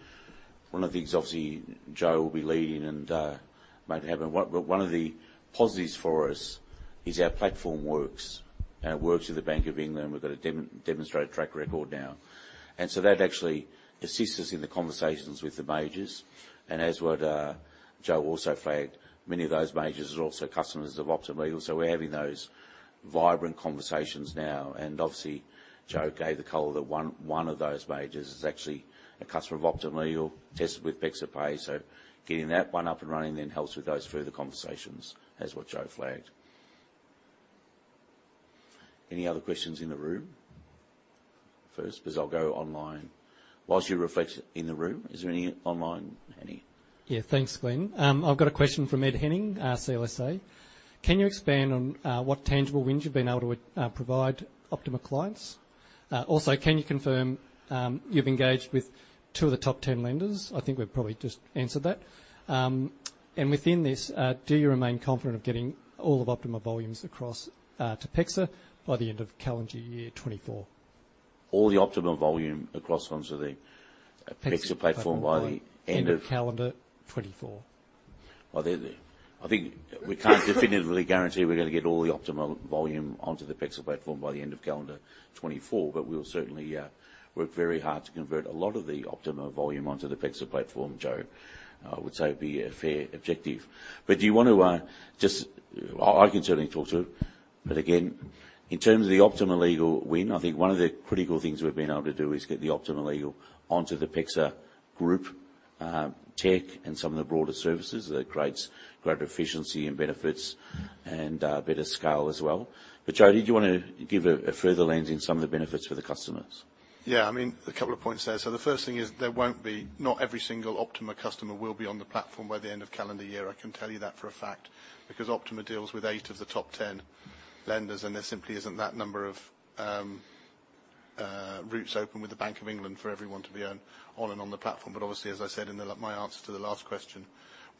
things, obviously, to Elizabeth, Joe will be leading and make it happen. But one of the positives for us is our platform works, and it works with the Bank of England. We've got a demonstrated track record now, and so that actually assists us in the conversations with the majors. And as what Joe also flagged, many of those majors are also customers of Optima Legal, so we're having those vibrant conversations now. And obviously, Joe gave the call that one of those majors is actually a customer of Optima Legal, tested with PEXA Pay. So getting that one up and running then helps with those further conversations, as what Joe flagged. Any other questions in the room first? Because I'll go online. Whilst you reflect in the room, is there any online, Hany? Yeah, thanks, Glenn. I've got a question from Ed Henning, CLSA. Can you expand on what tangible wins you've been able to provide Optima clients? Also, can you confirm you've engaged with two of the top 10 lenders? I think we've probably just answered that. And within this, do you remain confident of getting all of Optima volumes across to PEXA by the end of calendar year 2024? All the Optima volume across onto the PEXA platform. PEXA platform by the end of calendar 2024. Well, I think we can't definitively guarantee we're going to get all the Optima volume onto the PEXA platform by the end of calendar 2024, but we'll certainly work very hard to convert a lot of the Optima volume onto the PEXA platform. Joe, I would say, would be a fair objective. But do you want to just... I can certainly talk to it. But again, in terms of the Optima Legal win, I think one of the critical things we've been able to do is get the Optima Legal onto the PEXA Group tech and some of the broader services. That creates greater efficiency and benefits and better scale as well. But Joe, did you want to give a further lens in some of the benefits for the customers? Yeah, I mean, a couple of points there. So the first thing is there won't be. Not every single Optima customer will be on the platform by the end of calendar year. I can tell you that for a fact, because Optima deals with 8 of the top 10 lenders, and there simply isn't that number of routes open with the Bank of England for everyone to be on the platform. But obviously, as I said in my answer to the last question,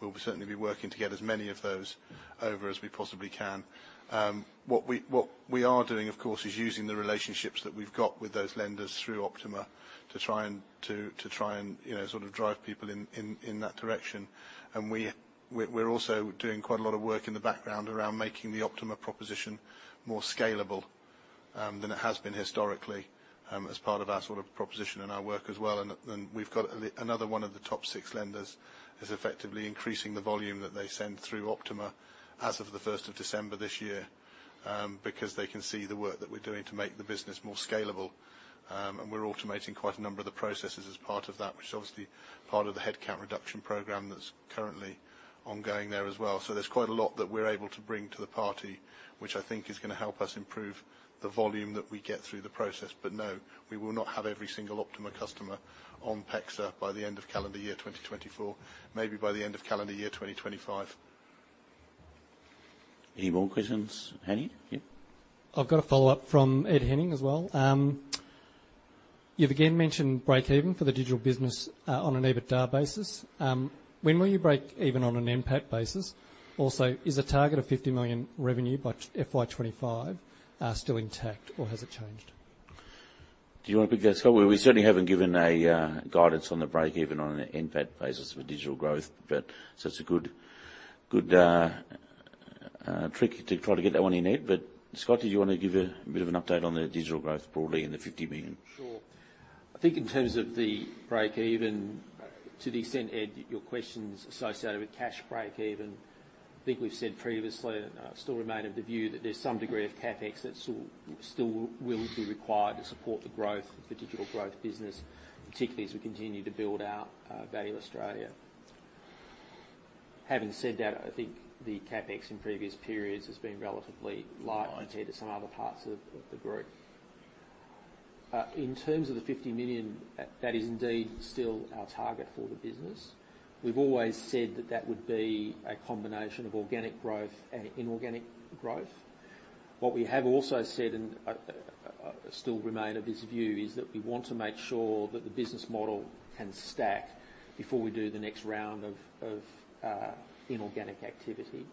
we'll certainly be working to get as many of those over as we possibly can. What we are doing, of course, is using the relationships that we've got with those lenders through Optima to try and, you know, sort of drive people in that direction. We're also doing quite a lot of work in the background around making the Optima proposition more scalable than it has been historically, as part of our sort of proposition and our work as well. And then, we've got another one of the top six lenders is effectively increasing the volume that they send through Optima as of the first of December this year, because they can see the work that we're doing to make the business more scalable. And we're automating quite a number of the processes as part of that, which is obviously part of the headcount reduction program that's currently ongoing there as well. So there's quite a lot that we're able to bring to the party, which I think is going to help us improve the volume that we get through the process. No, we will not have every single Optima customer on PEXA by the end of calendar year 2024. Maybe by the end of calendar year 2025. Any more questions, Hany? Yeah. I've got a follow-up from Ed Henning as well. You've again mentioned breakeven for the digital business, on an EBITDA basis. When will you break even on an NPAT basis? Also, is the target of 50 million revenue by FY 2025, still intact or has it changed? Do you want to pick that, Scott? Well, we certainly haven't given a guidance on the breakeven on an NPAT basis for digital growth, but so it's a good, good trick to try to get that one in, Ed. But Scott, did you want to give a bit of an update on the digital growth broadly and the 50 million? Sure. I think in terms of the breakeven, to the extent, Ed, your question's associated with cash breakeven, I think we've said previously and still remain of the view that there's some degree of CapEx that still will be required to support the growth of the digital growth business, particularly as we continue to build out Value Australia. Having said that, I think the CapEx in previous periods has been relatively light compared to some other parts of the group. In terms of the 50 million, that is indeed still our target for the business. We've always said that that would be a combination of organic growth and inorganic growth. What we have also said, and still remain of this view, is that we want to make sure that the business model can stack before we do the next round of inorganic activity.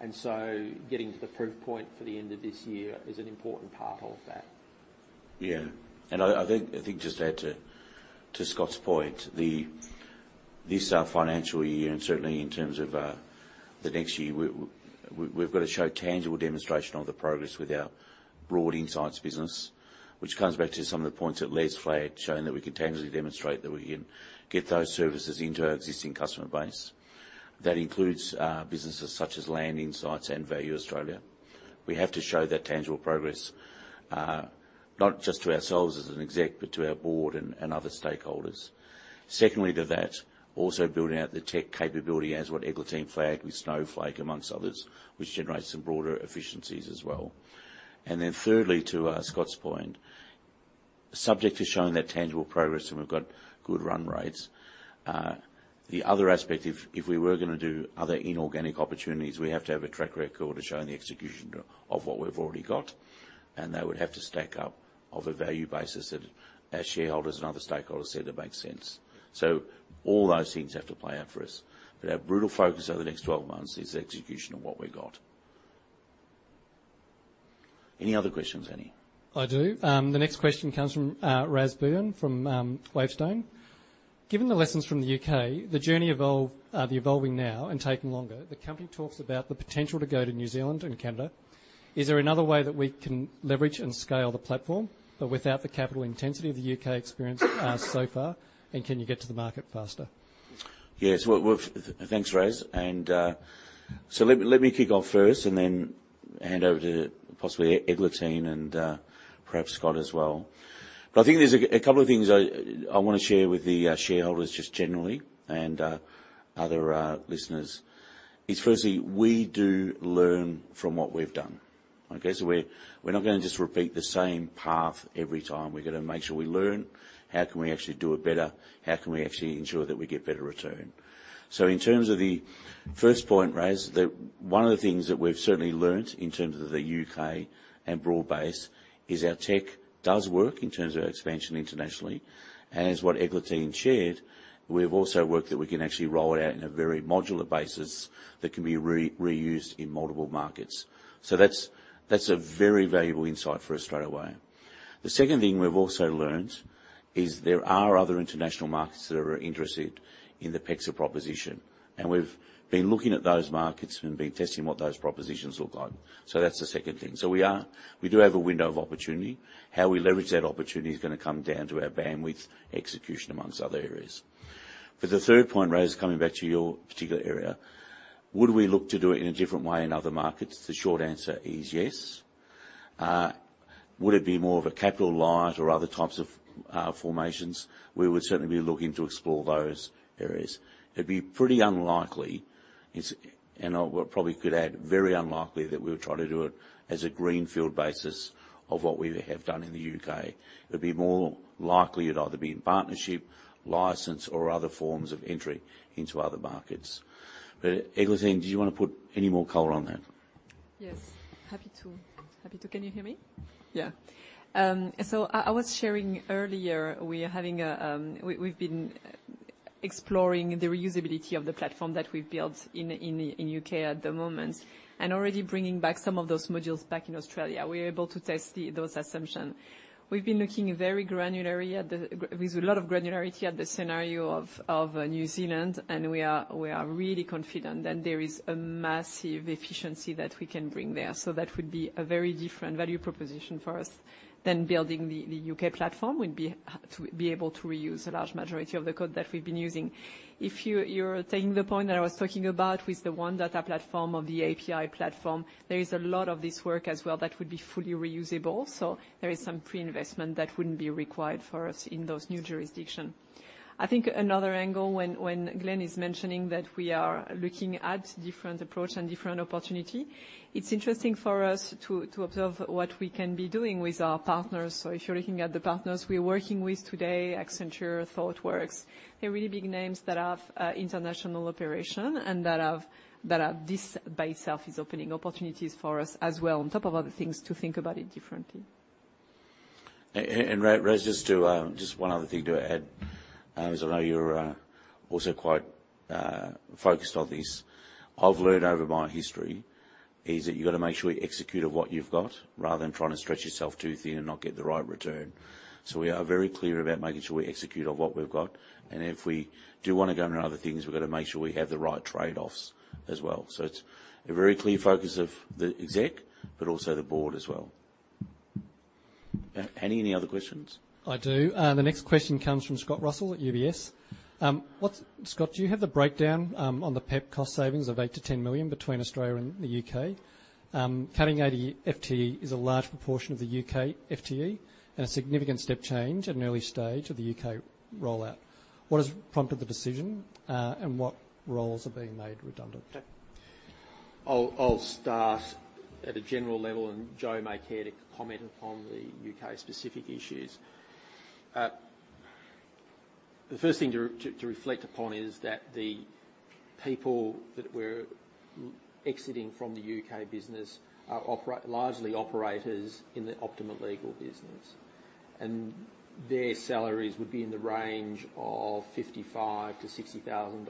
And so getting to the proof point for the end of this year is an important part of that. Yeah. I think just to add to Scott's point, this financial year, and certainly in terms of the next year, we've got to show tangible demonstration of the progress with our broad insights business, which comes back to some of the points that Les flagged, showing that we can tangibly demonstrate that we can get those services into our existing customer base. That includes businesses such as LandInsight and Value Australia. We have to show that tangible progress, not just to ourselves as an exec, but to our board and other stakeholders. Secondly to that, also building out the tech capability as what Eglantine flagged with Snowflake, among others, which generates some broader efficiencies as well. And then thirdly, to Scott's point, subject to showing that tangible progress, and we've got good run rates. The other aspect, if we were gonna do other inorganic opportunities, we have to have a track record of showing the execution of what we've already got, and they would have to stack up of a value basis that as shareholders and other stakeholders said, it makes sense. So all those things have to play out for us, but our brutal focus over the next 12 months is execution of what we've got. Any other questions, Hany? I do. The next question comes from Raz Boone from Wavestone. "Given the lessons from the UK, the journey evolve, the evolving now and taking longer, the company talks about the potential to go to New Zealand and Canada. Is there another way that we can leverage and scale the platform, but without the capital intensity of the U.K. experience, so far, and can you get to the market faster?" Yes. Well, we've. Thanks, Raz, and so let me, let me kick off first and then hand over to possibly Eglantine and perhaps Scott as well. But I think there's a couple of things I wanna share with the shareholders just generally and other listeners, is firstly, we do learn from what we've done. Okay, so we're not gonna just repeat the same path every time. We're gonna make sure we learn, how can we actually do it better? How can we actually ensure that we get better return? So in terms of the first point, Raz, the one of the things that we've certainly learnt in terms of the U.K. and broad base is our tech does work in terms of expansion internationally, and as what Eglantine shared, we've also worked that we can actually roll it out in a very modular basis that can be reused in multiple markets. So that's a very valuable insight for us straight away. The second thing we've also learnt is there are other international markets that are interested in the PEXA proposition, and we've been looking at those markets and been testing what those propositions look like. So that's the second thing. So we do have a window of opportunity. How we leverage that opportunity is gonna come down to our bandwidth, execution, amongst other areas. But the third point, Raz, coming back to your particular area, would we look to do it in a different way in other markets? The short answer is yes. Would it be more of a capital light or other types of formations? We would certainly be looking to explore those areas. It'd be pretty unlikely, and I probably could add, very unlikely, that we would try to do it as a greenfield basis of what we have done in the U.K. It'd be more likely it'd either be in partnership, license, or other forms of entry into other markets. But Eglantine, do you want to put any more color on that? Yes, Happy to. Happy to. Can you hear me? So I was sharing earlier, we are having a... We've been exploring the reusability of the platform that we've built in the U.K. at the moment, and already bringing back some of those modules back in Australia. We're able to test those assumption. We've been looking very granularly at the scenario with a lot of granularity of New Zealand, and we are really confident that there is a massive efficiency that we can bring there. So that would be a very different value proposition for us than building the U.K. platform. We'd be to be able to reuse a large majority of the code that we've been using. If you're taking the point that I was talking about with the One Data platform or the API platform, there is a lot of this work as well that would be fully reusable. So there is some pre-investment that wouldn't be required for us in those new jurisdictions. I think another angle when Glenn is mentioning that we are looking at different approach and different opportunity, it's interesting for us to observe what we can be doing with our partners. So if you're looking at the partners we're working with today, Accenture, Thoughtworks, they're really big names that have international operation and that have this by itself is opening opportunities for us as well, on top of other things, to think about it differently. Raz, just to, just one other thing to add, as I know you're also quite focused on this. I've learned over my history is that you've got to make sure we execute on what you've got, rather than trying to stretch yourself too thin and not get the right return. So we are very clear about making sure we execute on what we've got, and if we do want to go into other things, we've got to make sure we have the right trade-offs as well. So it's a very clear focus of the exec, but also the board as well. Hany, any other questions? I do. The next question comes from Scott Russell at UBS. What Scott, do you have the breakdown on the PEP cost savings of 8 million-10 million between Australia and the U.K.? Cutting 80 FTE is a large proportion of the U.K. FTE and a significant step change at an early stage of the U.K. rollout. What has prompted the decision, and what roles are being made redundant? I'll start at a general level, and Joe may care to comment upon the U.K. specific issues. The first thing to reflect upon is that the people that we're exiting from the U.K. business are largely operators in the Optima Legal business, and their salaries would be in the range of GBP 55,000-GBP 60,000,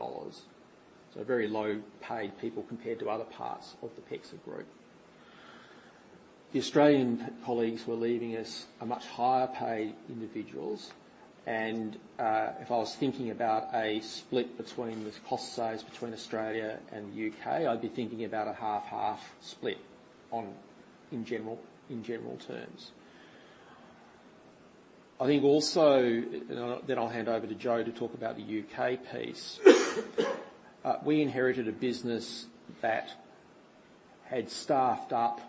so very low-paid people compared to other parts of the PEXA Group. The Australian colleagues who are leaving us are much higher paid individuals, and, if I was thinking about a split between the cost saves between Australia and the U.K., I'd be thinking about a 50/50 split in general terms. I think also, and then I'll hand over to Joe to talk about the U.K. piece. We inherited a business that had staffed up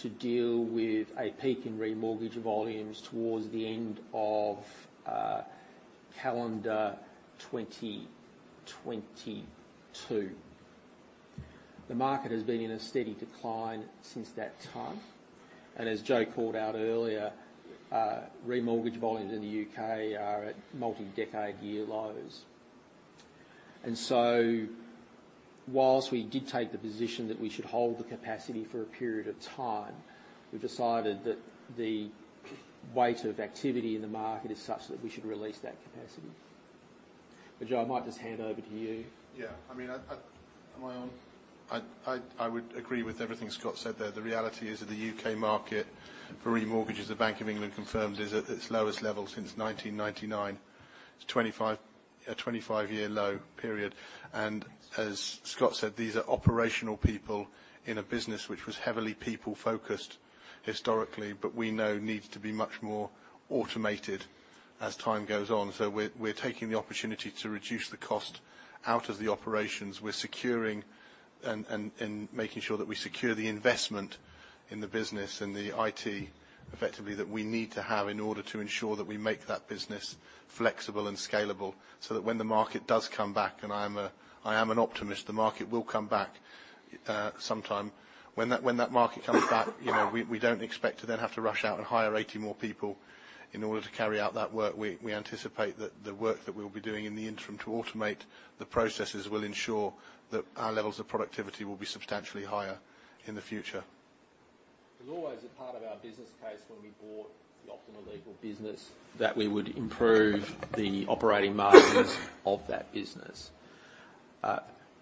to deal with a peak in remortgage volumes towards the end of calendar 2022. The market has been in a steady decline since that time, and as Joe called out earlier, remortgage volumes in the U.K. are at multi-decade year lows. And so whilst we did take the position that we should hold the capacity for a period of time, we've decided that the weight of activity in the market is such that we should release that capacity. But, Joe, I might just hand over to you. Yeah. I mean, am I on? I would agree with everything Scott said there. The reality is that the U.K. market for remortgages, the Bank of England confirmed, is at its lowest level since 1999. It's 25, a 25-year low, period. And as Scott said, these are operational people in a business which was heavily people-focused historically, but we know needs to be much more automated as time goes on. So we're taking the opportunity to reduce the cost out of the operations. We're securing and making sure that we secure the investment in the business and the IT, effectively, that we need to have in order to ensure that we make that business flexible and scalable, so that when the market does come back, and I am an optimist, the market will come back, sometime. When that market comes back, you know, we don't expect to then have to rush out and hire 80 more people in order to carry out that work. We anticipate that the work that we'll be doing in the interim to automate the processes will ensure that our levels of productivity will be substantially higher in the future. It was always a part of our business case when we bought the Optima Legal business, that we would improve the operating margins of that business.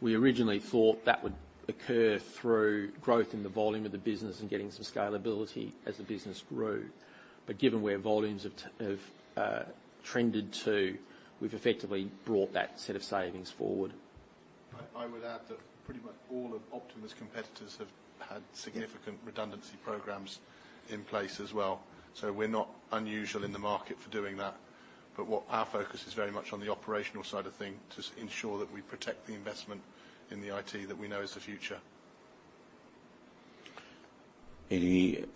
We originally thought that would occur through growth in the volume of the business and getting some scalability as the business grew. But given where volumes have trended to, we've effectively brought that set of savings forward. I would add that pretty much all of Optima's competitors have had significant redundancy programs in place as well. So we're not unusual in the market for doing that. But what our focus is very much on the operational side of things, to ensure that we protect the investment in the IT that we know is the future. Any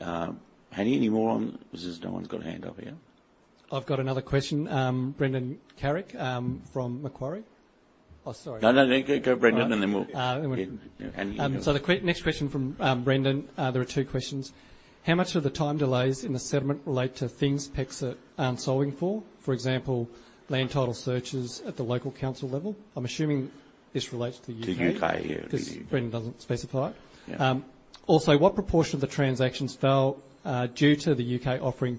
more on. This is no one's got a hand up here. I've got another question. Brendan Carrick, from Macquarie. Oh, sorry. No, no, go, Brendan, and then we'll. So the next question from Brendan. There are two questions: How much of the time delays in the settlement relate to things PEXA aren't solving for? For example, land title searches at the local council level. I'm assuming this relates to U.K. To U.K., yeah. Because Brendan doesn't specify. Yeah. Also, what proportion of the transactions fail, due to the U.K. offering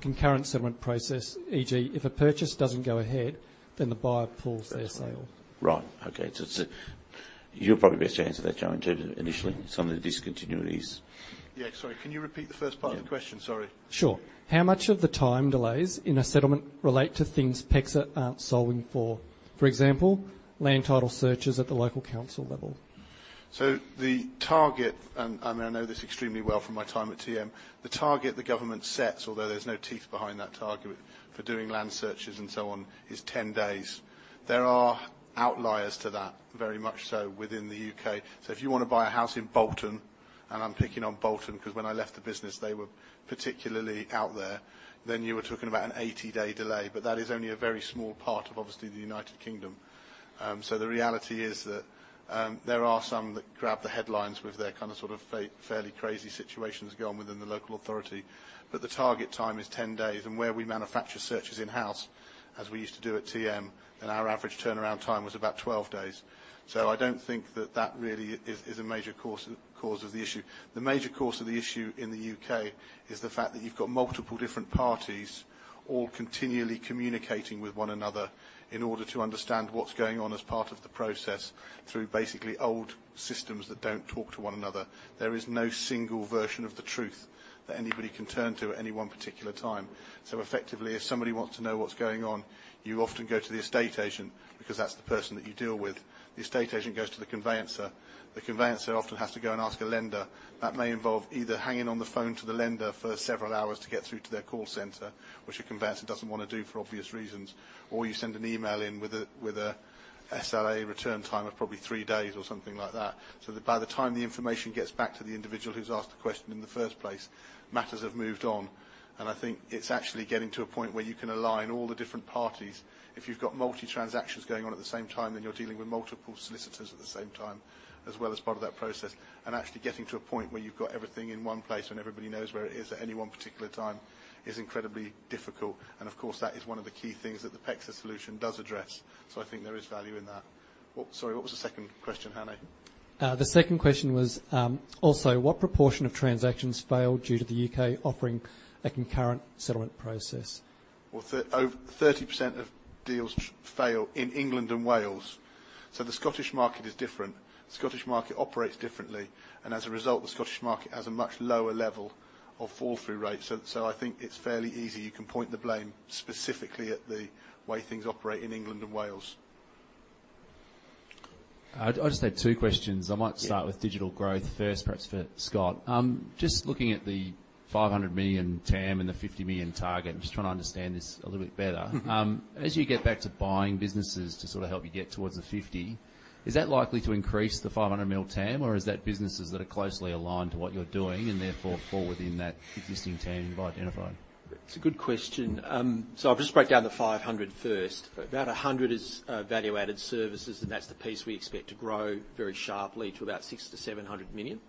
concurrent settlement process, eg, if a purchase doesn't go ahead, then the buyer pulls their sale? Right. Okay, so it's a. You're probably best to answer that, Joe, initially, some of the discontinuities. Yeah. Sorry, can you repeat the first part of the question? Yeah. Sorry. Sure. How much of the time delays in a settlement relate to things PEXA aren't solving for, for example, land title searches at the local council level? So the target, and, and I know this extremely well from my time at TM, the target the government sets, although there's no teeth behind that target, for doing land searches and so on, is 10 days. There are outliers to that, very much so, within the U.K. So if you want to buy a house in Bolton, and I'm picking on Bolton, 'cause when I left the business, they were particularly out there, then you were talking about an 80-day delay. But that is only a very small part of, obviously, the United Kingdom. So the reality is that, there are some that grab the headlines with their kind of, sort of, fairly crazy situations going on within the local authority, but the target time is 10 days. Where we manufacture searches in-house, as we used to do at TM Group, then our average turnaround time was about 12 days. I don't think that really is a major cause of the issue. The major cause of the issue in the U.K. is the fact that you've got multiple different parties, all continually communicating with one another in order to understand what's going on as part of the process, through basically old systems that don't talk to one another. There is no single version of the truth that anybody can turn to at any one particular time. Effectively, if somebody wants to know what's going on, you often go to the estate agent because that's the person that you deal with. The estate agent goes to the conveyancer. The conveyancer often has to go and ask a lender. That may involve either hanging on the phone to the lender for several hours to get through to their call center, which a conveyancer doesn't want to do for obvious reasons, or you send an email in with a SLA return time of probably 3 days or something like that. By the time the information gets back to the individual who's asked the question in the first place, matters have moved on. I think it's actually getting to a point where you can align all the different parties. If you've got multi transactions going on at the same time, then you're dealing with multiple solicitors at the same time, as well as part of that process, and actually getting to a point where you've got everything in one place and everybody knows where it is at any one particular time is incredibly difficult. Of course, that is one of the key things that the PEXA solution does address. So I think there is value in that. What, sorry, what was the second question,? The second question was: Also, what proportion of transactions fail due to the UK offering a concurrent settlement process? Well, over 30% of deals fail in England and Wales. So the Scottish market is different. Scottish market operates differently, and as a result, the Scottish market has a much lower level of fall-through rates. So, so I think it's fairly easy. You can point the blame specifically at the way things operate in England and Wales. I just had two questions. I might start with digital growth first, perhaps for Scott. Just looking at the 500 million TAM and the 50 million target, I'm just trying to understand this a little bit better. As you get back to buying businesses to sort of help you get towards the 50, is that likely to increase the 500 million TAM, or is that businesses that are closely aligned to what you're doing and therefore fall within that existing TAM you've identified? It's a good question. So I'll just break down the 500 first. About 100 is value-added services, and that's the piece we expect to grow very sharply to about 600-700 million.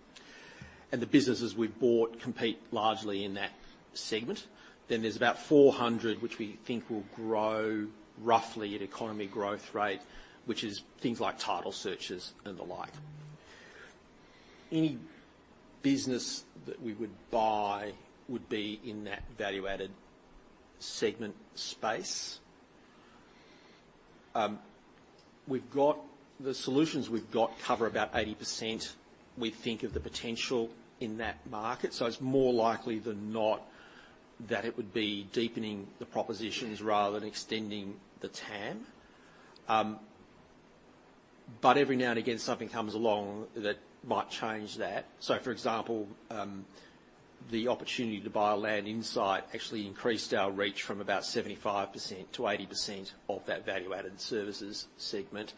And the businesses we've bought compete largely in that segment. Then there's about 400, which we think will grow roughly at economy growth rate, which is things like title searches and the like. Any business that we would buy would be in that value-added segment space. We've got the solutions we've got cover about 80%, we think, of the potential in that market, so it's more likely than not that it would be deepening the propositions rather than extending the TAM. But every now and again, something comes along that might change that. So for example, the opportunity to buy a LandInsight actually increased our reach from about 75%-80% of that value-added services segment,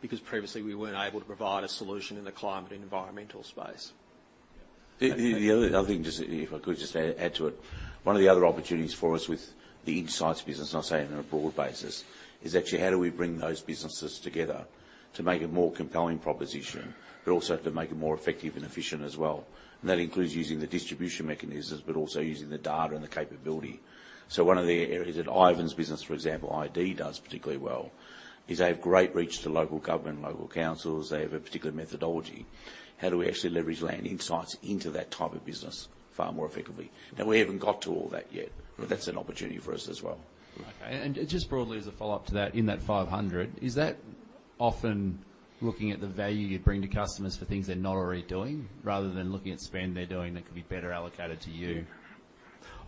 because previously we weren't able to provide a solution in the climate and environmental space. The other thing, just if I could just add to it. One of the other opportunities for us with the Insights business, and I'll say on a broad basis, is actually how do we bring those businesses together to make a more compelling proposition, but also to make it more effective and efficient as well? And that includes using the distribution mechanisms, but also using the data and the capability. So one of the areas that Ivan's business, for example, .id, does particularly well is they have great reach to local government and local councils. They have a particular methodology. How do we actually leverage LandInsight into that type of business far more effectively? Now, we haven't got to all that yet, but that's an opportunity for us as well. Okay. And just broadly as a follow-up to that, in that 500, is that often looking at the value you bring to customers for things they're not already doing, rather than looking at spend they're doing that could be better allocated to you?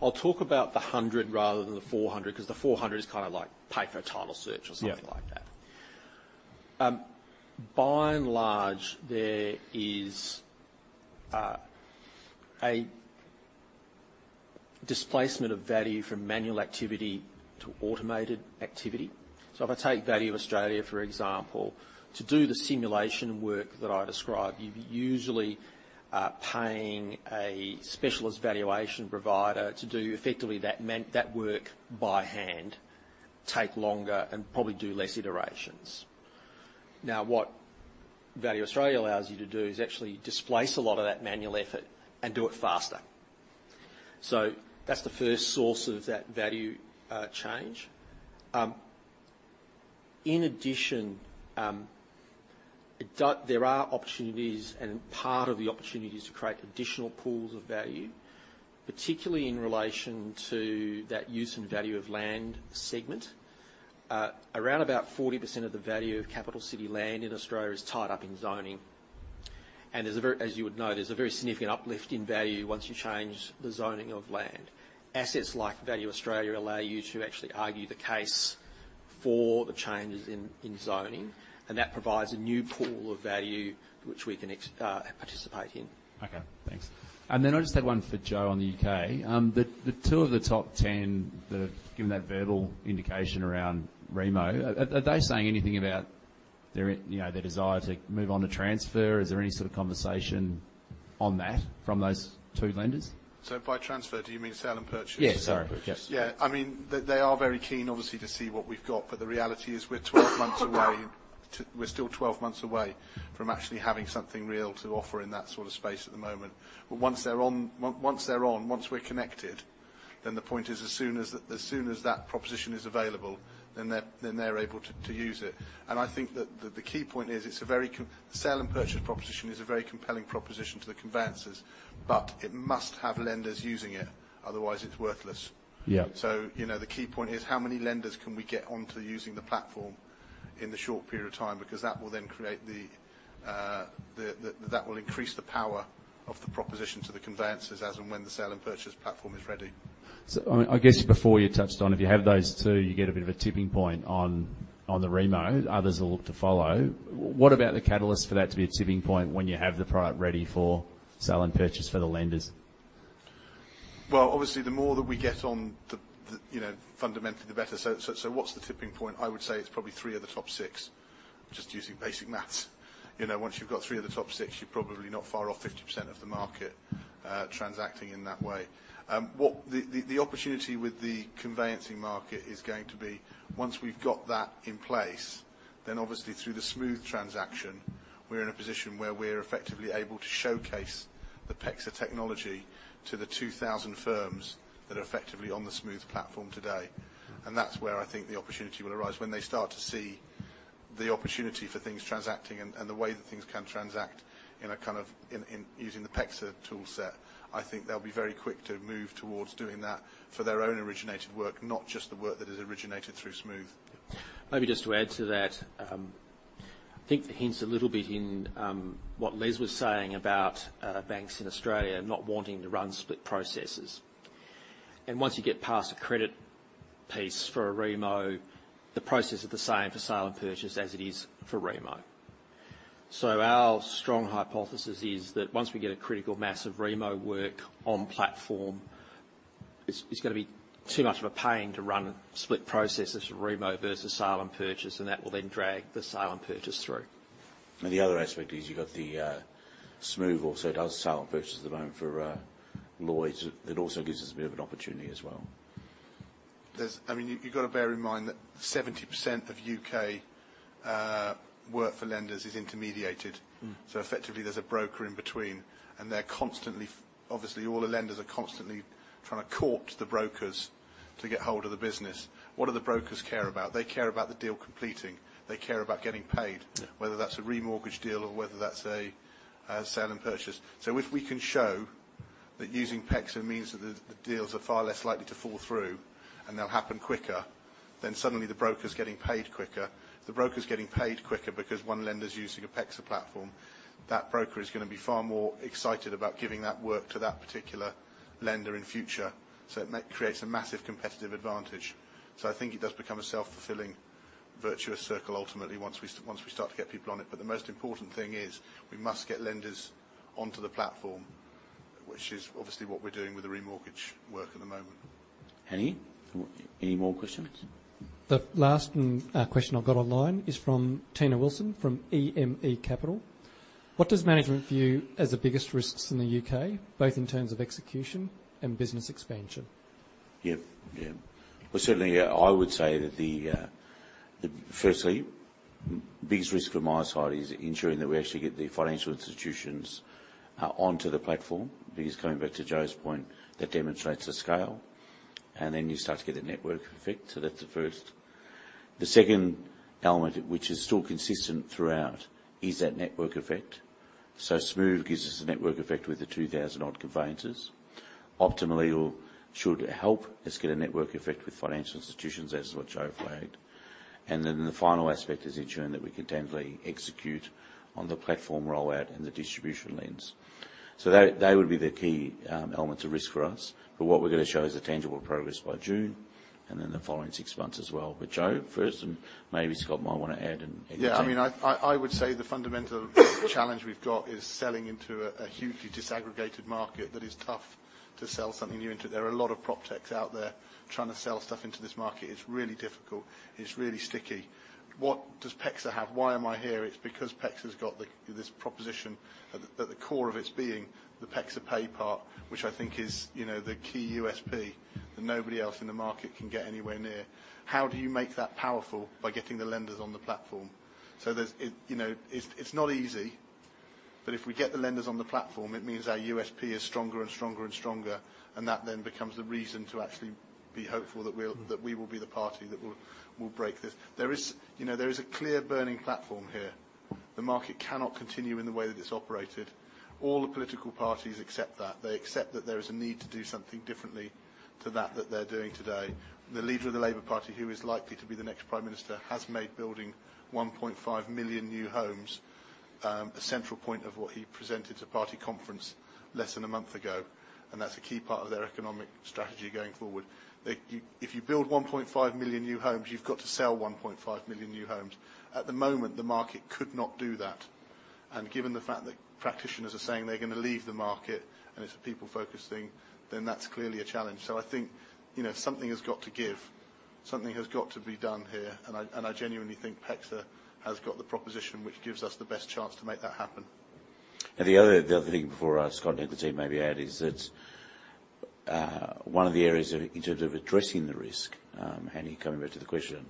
I'll talk about the 100 rather than the 400, 'cause the 400 is kind of like pay for a title search or something like that. Yeah. By and large, there is a displacement of value from manual activity to automated activity. So if I take Value Australia, for example, to do the simulation work that I described, you'd usually are paying a specialist valuation provider to do effectively that work by hand, take longer, and probably do less iterations. Now, what Value Australia allows you to do is actually displace a lot of that manual effort and do it faster. So that's the first source of that value change. In addition, there are opportunities, and part of the opportunity is to create additional pools of value, particularly in relation to that use and value of land segment. Around about 40% of the value of capital city land in Australia is tied up in zoning. As you would know, there's a very significant uplift in value once you change the zoning of land. Assets like Value Australia allow you to actually argue the case for the changes in zoning, and that provides a new pool of value which we can participate in. Okay, thanks. And then I just had one for Joe on the U.K. The two of the top ten that have given that verbal indication around Remo, are they saying anything about their, you know, their desire to move on to transfer? Is there any sort of conversation on that from those two lenders? By transfer, do you mean sale and purchase? Yes, sorry. Yes. Yeah. I mean, they, they are very keen, obviously, to see what we've got, but the reality is we're 12 months away, we're still 12 months away from actually having something real to offer in that sort of space at the moment. But once they're on, once they're on, once we're connected, then the point is as soon as, as soon as that proposition is available, then they're, then they're able to, to use it. And I think that the, the key point is it's a very compelling sale and purchase proposition is a very compelling proposition to the conveyancers, but it must have lenders using it, otherwise it's worthless. Yeah. So, you know, the key point is: how many lenders can we get onto using the platform in the short period of time? Because that will then create the that will increase the power of the proposition to the conveyancers as and when the sale and purchase platform is ready. So I guess before you touched on, if you have those two, you get a bit of a tipping point on the Remo, others will look to follow. What about the catalyst for that to be a tipping point when you have the product ready for sale and purchase for the lenders? Well, obviously, the more that we get on the, you know, fundamentally, the better. So what's the tipping point? I would say it's probably three of the top six, just using basic math. You know, once you've got three of the top six, you're probably not far off 50% of the market, transacting in that way. What the opportunity with the conveyancing market is going to be, once we've got that in place, then obviously through the Smoove transaction, we're in a position where we're effectively able to showcase the PEXA technology to the 2,000 firms that are effectively on the Smoove platform today. And that's where I think the opportunity will arise. When they start to see the opportunity for things transacting and the way that things can transact in a kind of in using the PEXA tool set, I think they'll be very quick to move towards doing that for their own originated work, not just the work that is originated through Smoove. Maybe just to add to that, I think the hint's a little bit in what Les was saying about banks in Australia not wanting to run split processes. And once you get past the credit piece for a remo, the process is the same for sale and purchase as it is for remo. Our strong hypothesis is that once we get a critical mass of remo work on platform, it's going to be too much of a pain to run split processes, remo versus sale and purchase, and that will then drag the sale and purchase through. The other aspect is you've got the Smoove also does sale and purchase at the moment for Lloyds. It also gives us a bit of an opportunity as well. There's—I mean, you, you've got to bear in mind that 70% of U.K. work for lenders is intermediated. So effectively, there's a broker in between, and they're constantly, obviously, all the lenders are constantly trying to court the brokers to get hold of the business. What do the brokers care about? They care about the deal completing. They care about getting paid, whether that's a remortgage deal or whether that's a sale and purchase. So if we can show that using PEXA means that the deals are far less likely to fall through and they'll happen quicker, then suddenly the broker's getting paid quicker. If the broker's getting paid quicker because one lender's using a PEXA platform, that broker is gonna be far more excited about giving that work to that particular lender in future, so it creates a massive competitive advantage. So I think it does become a self-fulfilling, virtuous circle ultimately, once we start to get people on it. But the most important thing is, we must get lenders onto the platform, which is obviously what we're doing with the remortgage work at the moment. Hany, any more questions? The last question I've got online is from Tina Wilson, from EME Capital. "What does management view as the biggest risks in the U.K., both in terms of execution and business expansion? Yeah. Yeah. Well, certainly, I would say that the firstly, biggest risk from my side is ensuring that we actually get the financial institutions onto the platform, because coming back to Joe's point, that demonstrates the scale, and then you start to get a network effect. So that's the first. The second element, which is still consistent throughout, is that network effect. So Smoove gives us a network effect with the 2,000-odd conveyancers. Optima Legal should help us get a network effect with financial institutions, as what Joe flagged. And then the final aspect is ensuring that we can timely execute on the platform rollout and the distribution lens. So that would be the key elements of risk for us. But what we're gonna show is the tangible progress by June, and then the following six months as well. But Joe, first, and maybe Scott might want to add and- Yeah, I mean, I would say the fundamental challenge we've got is selling into a hugely disaggregated market that is tough to sell something new into. There are a lot of proptechs out there trying to sell stuff into this market. It's really difficult. It's really sticky. What does PEXA have? Why am I here? It's because PEXA's got this proposition at the core of its being, the PEXA Pay part, which I think is, you know, the key USP that nobody else in the market can get anywhere near. How do you make that powerful? By getting the lenders on the platform. So there's it, you know, it's not easy, but if we get the lenders on the platform, it means our USP is stronger and stronger and stronger, and that then becomes the reason to actually be hopeful that we'll-that we will be the party that will, will break this. There is, you know, there is a clear burning platform here. The market cannot continue in the way that it's operated. All the political parties accept that. They accept that there is a need to do something differently to that, that they're doing today. The leader of the Labour Party, who is likely to be the next prime minister, has made building 1.5 million new homes a central point of what he presented to party conference less than a month ago, and that's a key part of their economic strategy going forward. They. If you build 1.5 million new homes, you've got to sell 1.5 million new homes. At the moment, the market could not do that, and given the fact that practitioners are saying they're gonna leave the market, and it's a people-focused thing, then that's clearly a challenge. So I think, you know, something has got to give. Something has got to be done here, and I, and I genuinely think PEXA has got the proposition, which gives us the best chance to make that happen. And the other, the other thing before Scott and the team maybe add, is that, one of the areas of, in terms of addressing the risk, Hany, coming back to the question,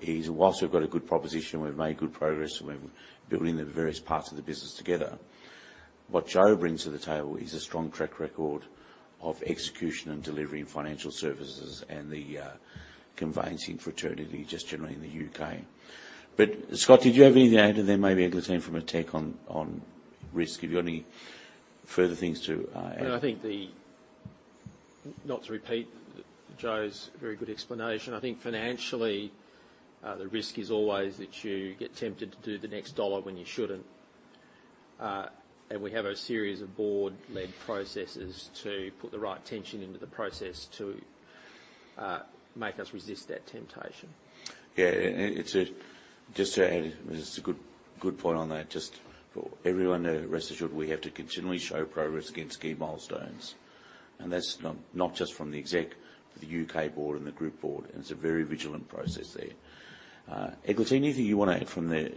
is whilst we've got a good proposition, we've made good progress, and we've building the various parts of the business together, what Joe brings to the table is a strong track record of execution and delivery in financial services and the, conveyancing fraternity, just generally in the U.K. But Scott, did you have anything to add, and then maybe Eglantine from a take on, on risk? Have you got any further things to, add? No, I think. Not to repeat Joe's very good explanation, I think financially, the risk is always that you get tempted to do the next dollar when you shouldn't. And we have a series of board-led processes to put the right tension into the process to make us resist that temptation. Yeah, and it's a, just to add, it's a good point on that, just for everyone to rest assured, we have to continually show progress against key milestones. That's not just from the exec, but the U.K. board and the group board, and it's a very vigilant process there. Eglantine, anything you want to add from the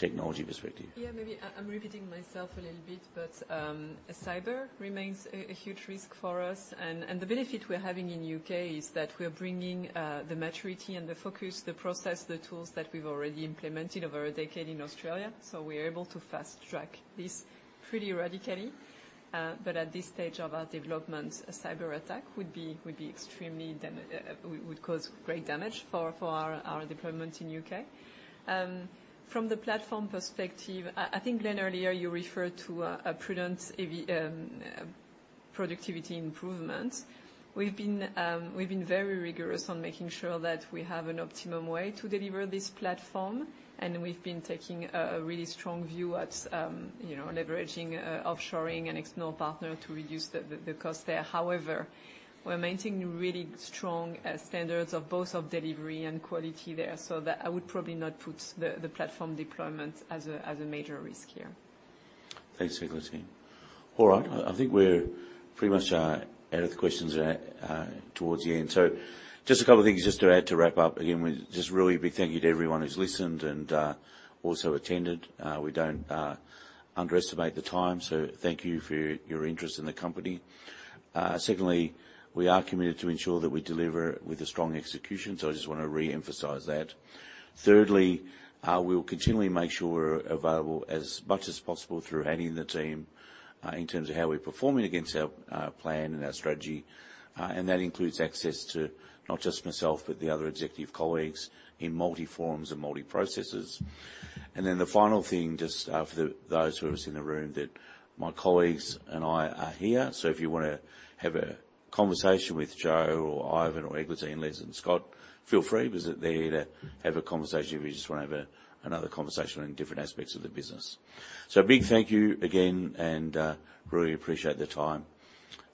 technology perspective? Yeah, maybe I, I'm repeating myself a little bit, but cyber remains a huge risk for us. And the benefit we're having in U.K. is that we're bringing the maturity and the focus, the process, the tools that we've already implemented over a decade in Australia, so we're able to fast-track this pretty radically. But at this stage of our development, a cyberattack would be extremely would cause great damage for our deployment in U.K. From the platform perspective, I think, Glenn, earlier you referred to a prudent productivity improvement. We've been very rigorous on making sure that we have an optimum way to deliver this platform, and we've been taking a really strong view at, you know, leveraging offshoring and external partner to reduce the cost there. However, we're maintaining really strong standards of both of delivery and quality there, so that I would probably not put the platform deployment as a major risk here. Thanks, Eglantine. All right. I think we're pretty much out of the questions towards the end. So just a couple of things just to add to wrap up. Again, we just really big thank you to everyone who's listened and also attended. We don't underestimate the time, so thank you for your interest in the company. Secondly, we are committed to ensure that we deliver with a strong execution, so I just want to re-emphasize that. Thirdly, we will continually make sure we're available as much as possible through Hany and the team in terms of how we're performing against our plan and our strategy. And that includes access to not just myself, but the other executive colleagues in multi forms and multi processes. Then the final thing, just, for those who are in the room, that my colleagues and I are here, so if you wanna have a conversation with Joe or Ivan or Eglantine, Liz and Scott, feel free. Visit there to have a conversation, if you just want to have a, another conversation on different aspects of the business. So a big thank you again, and, really appreciate the time.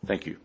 Thank you.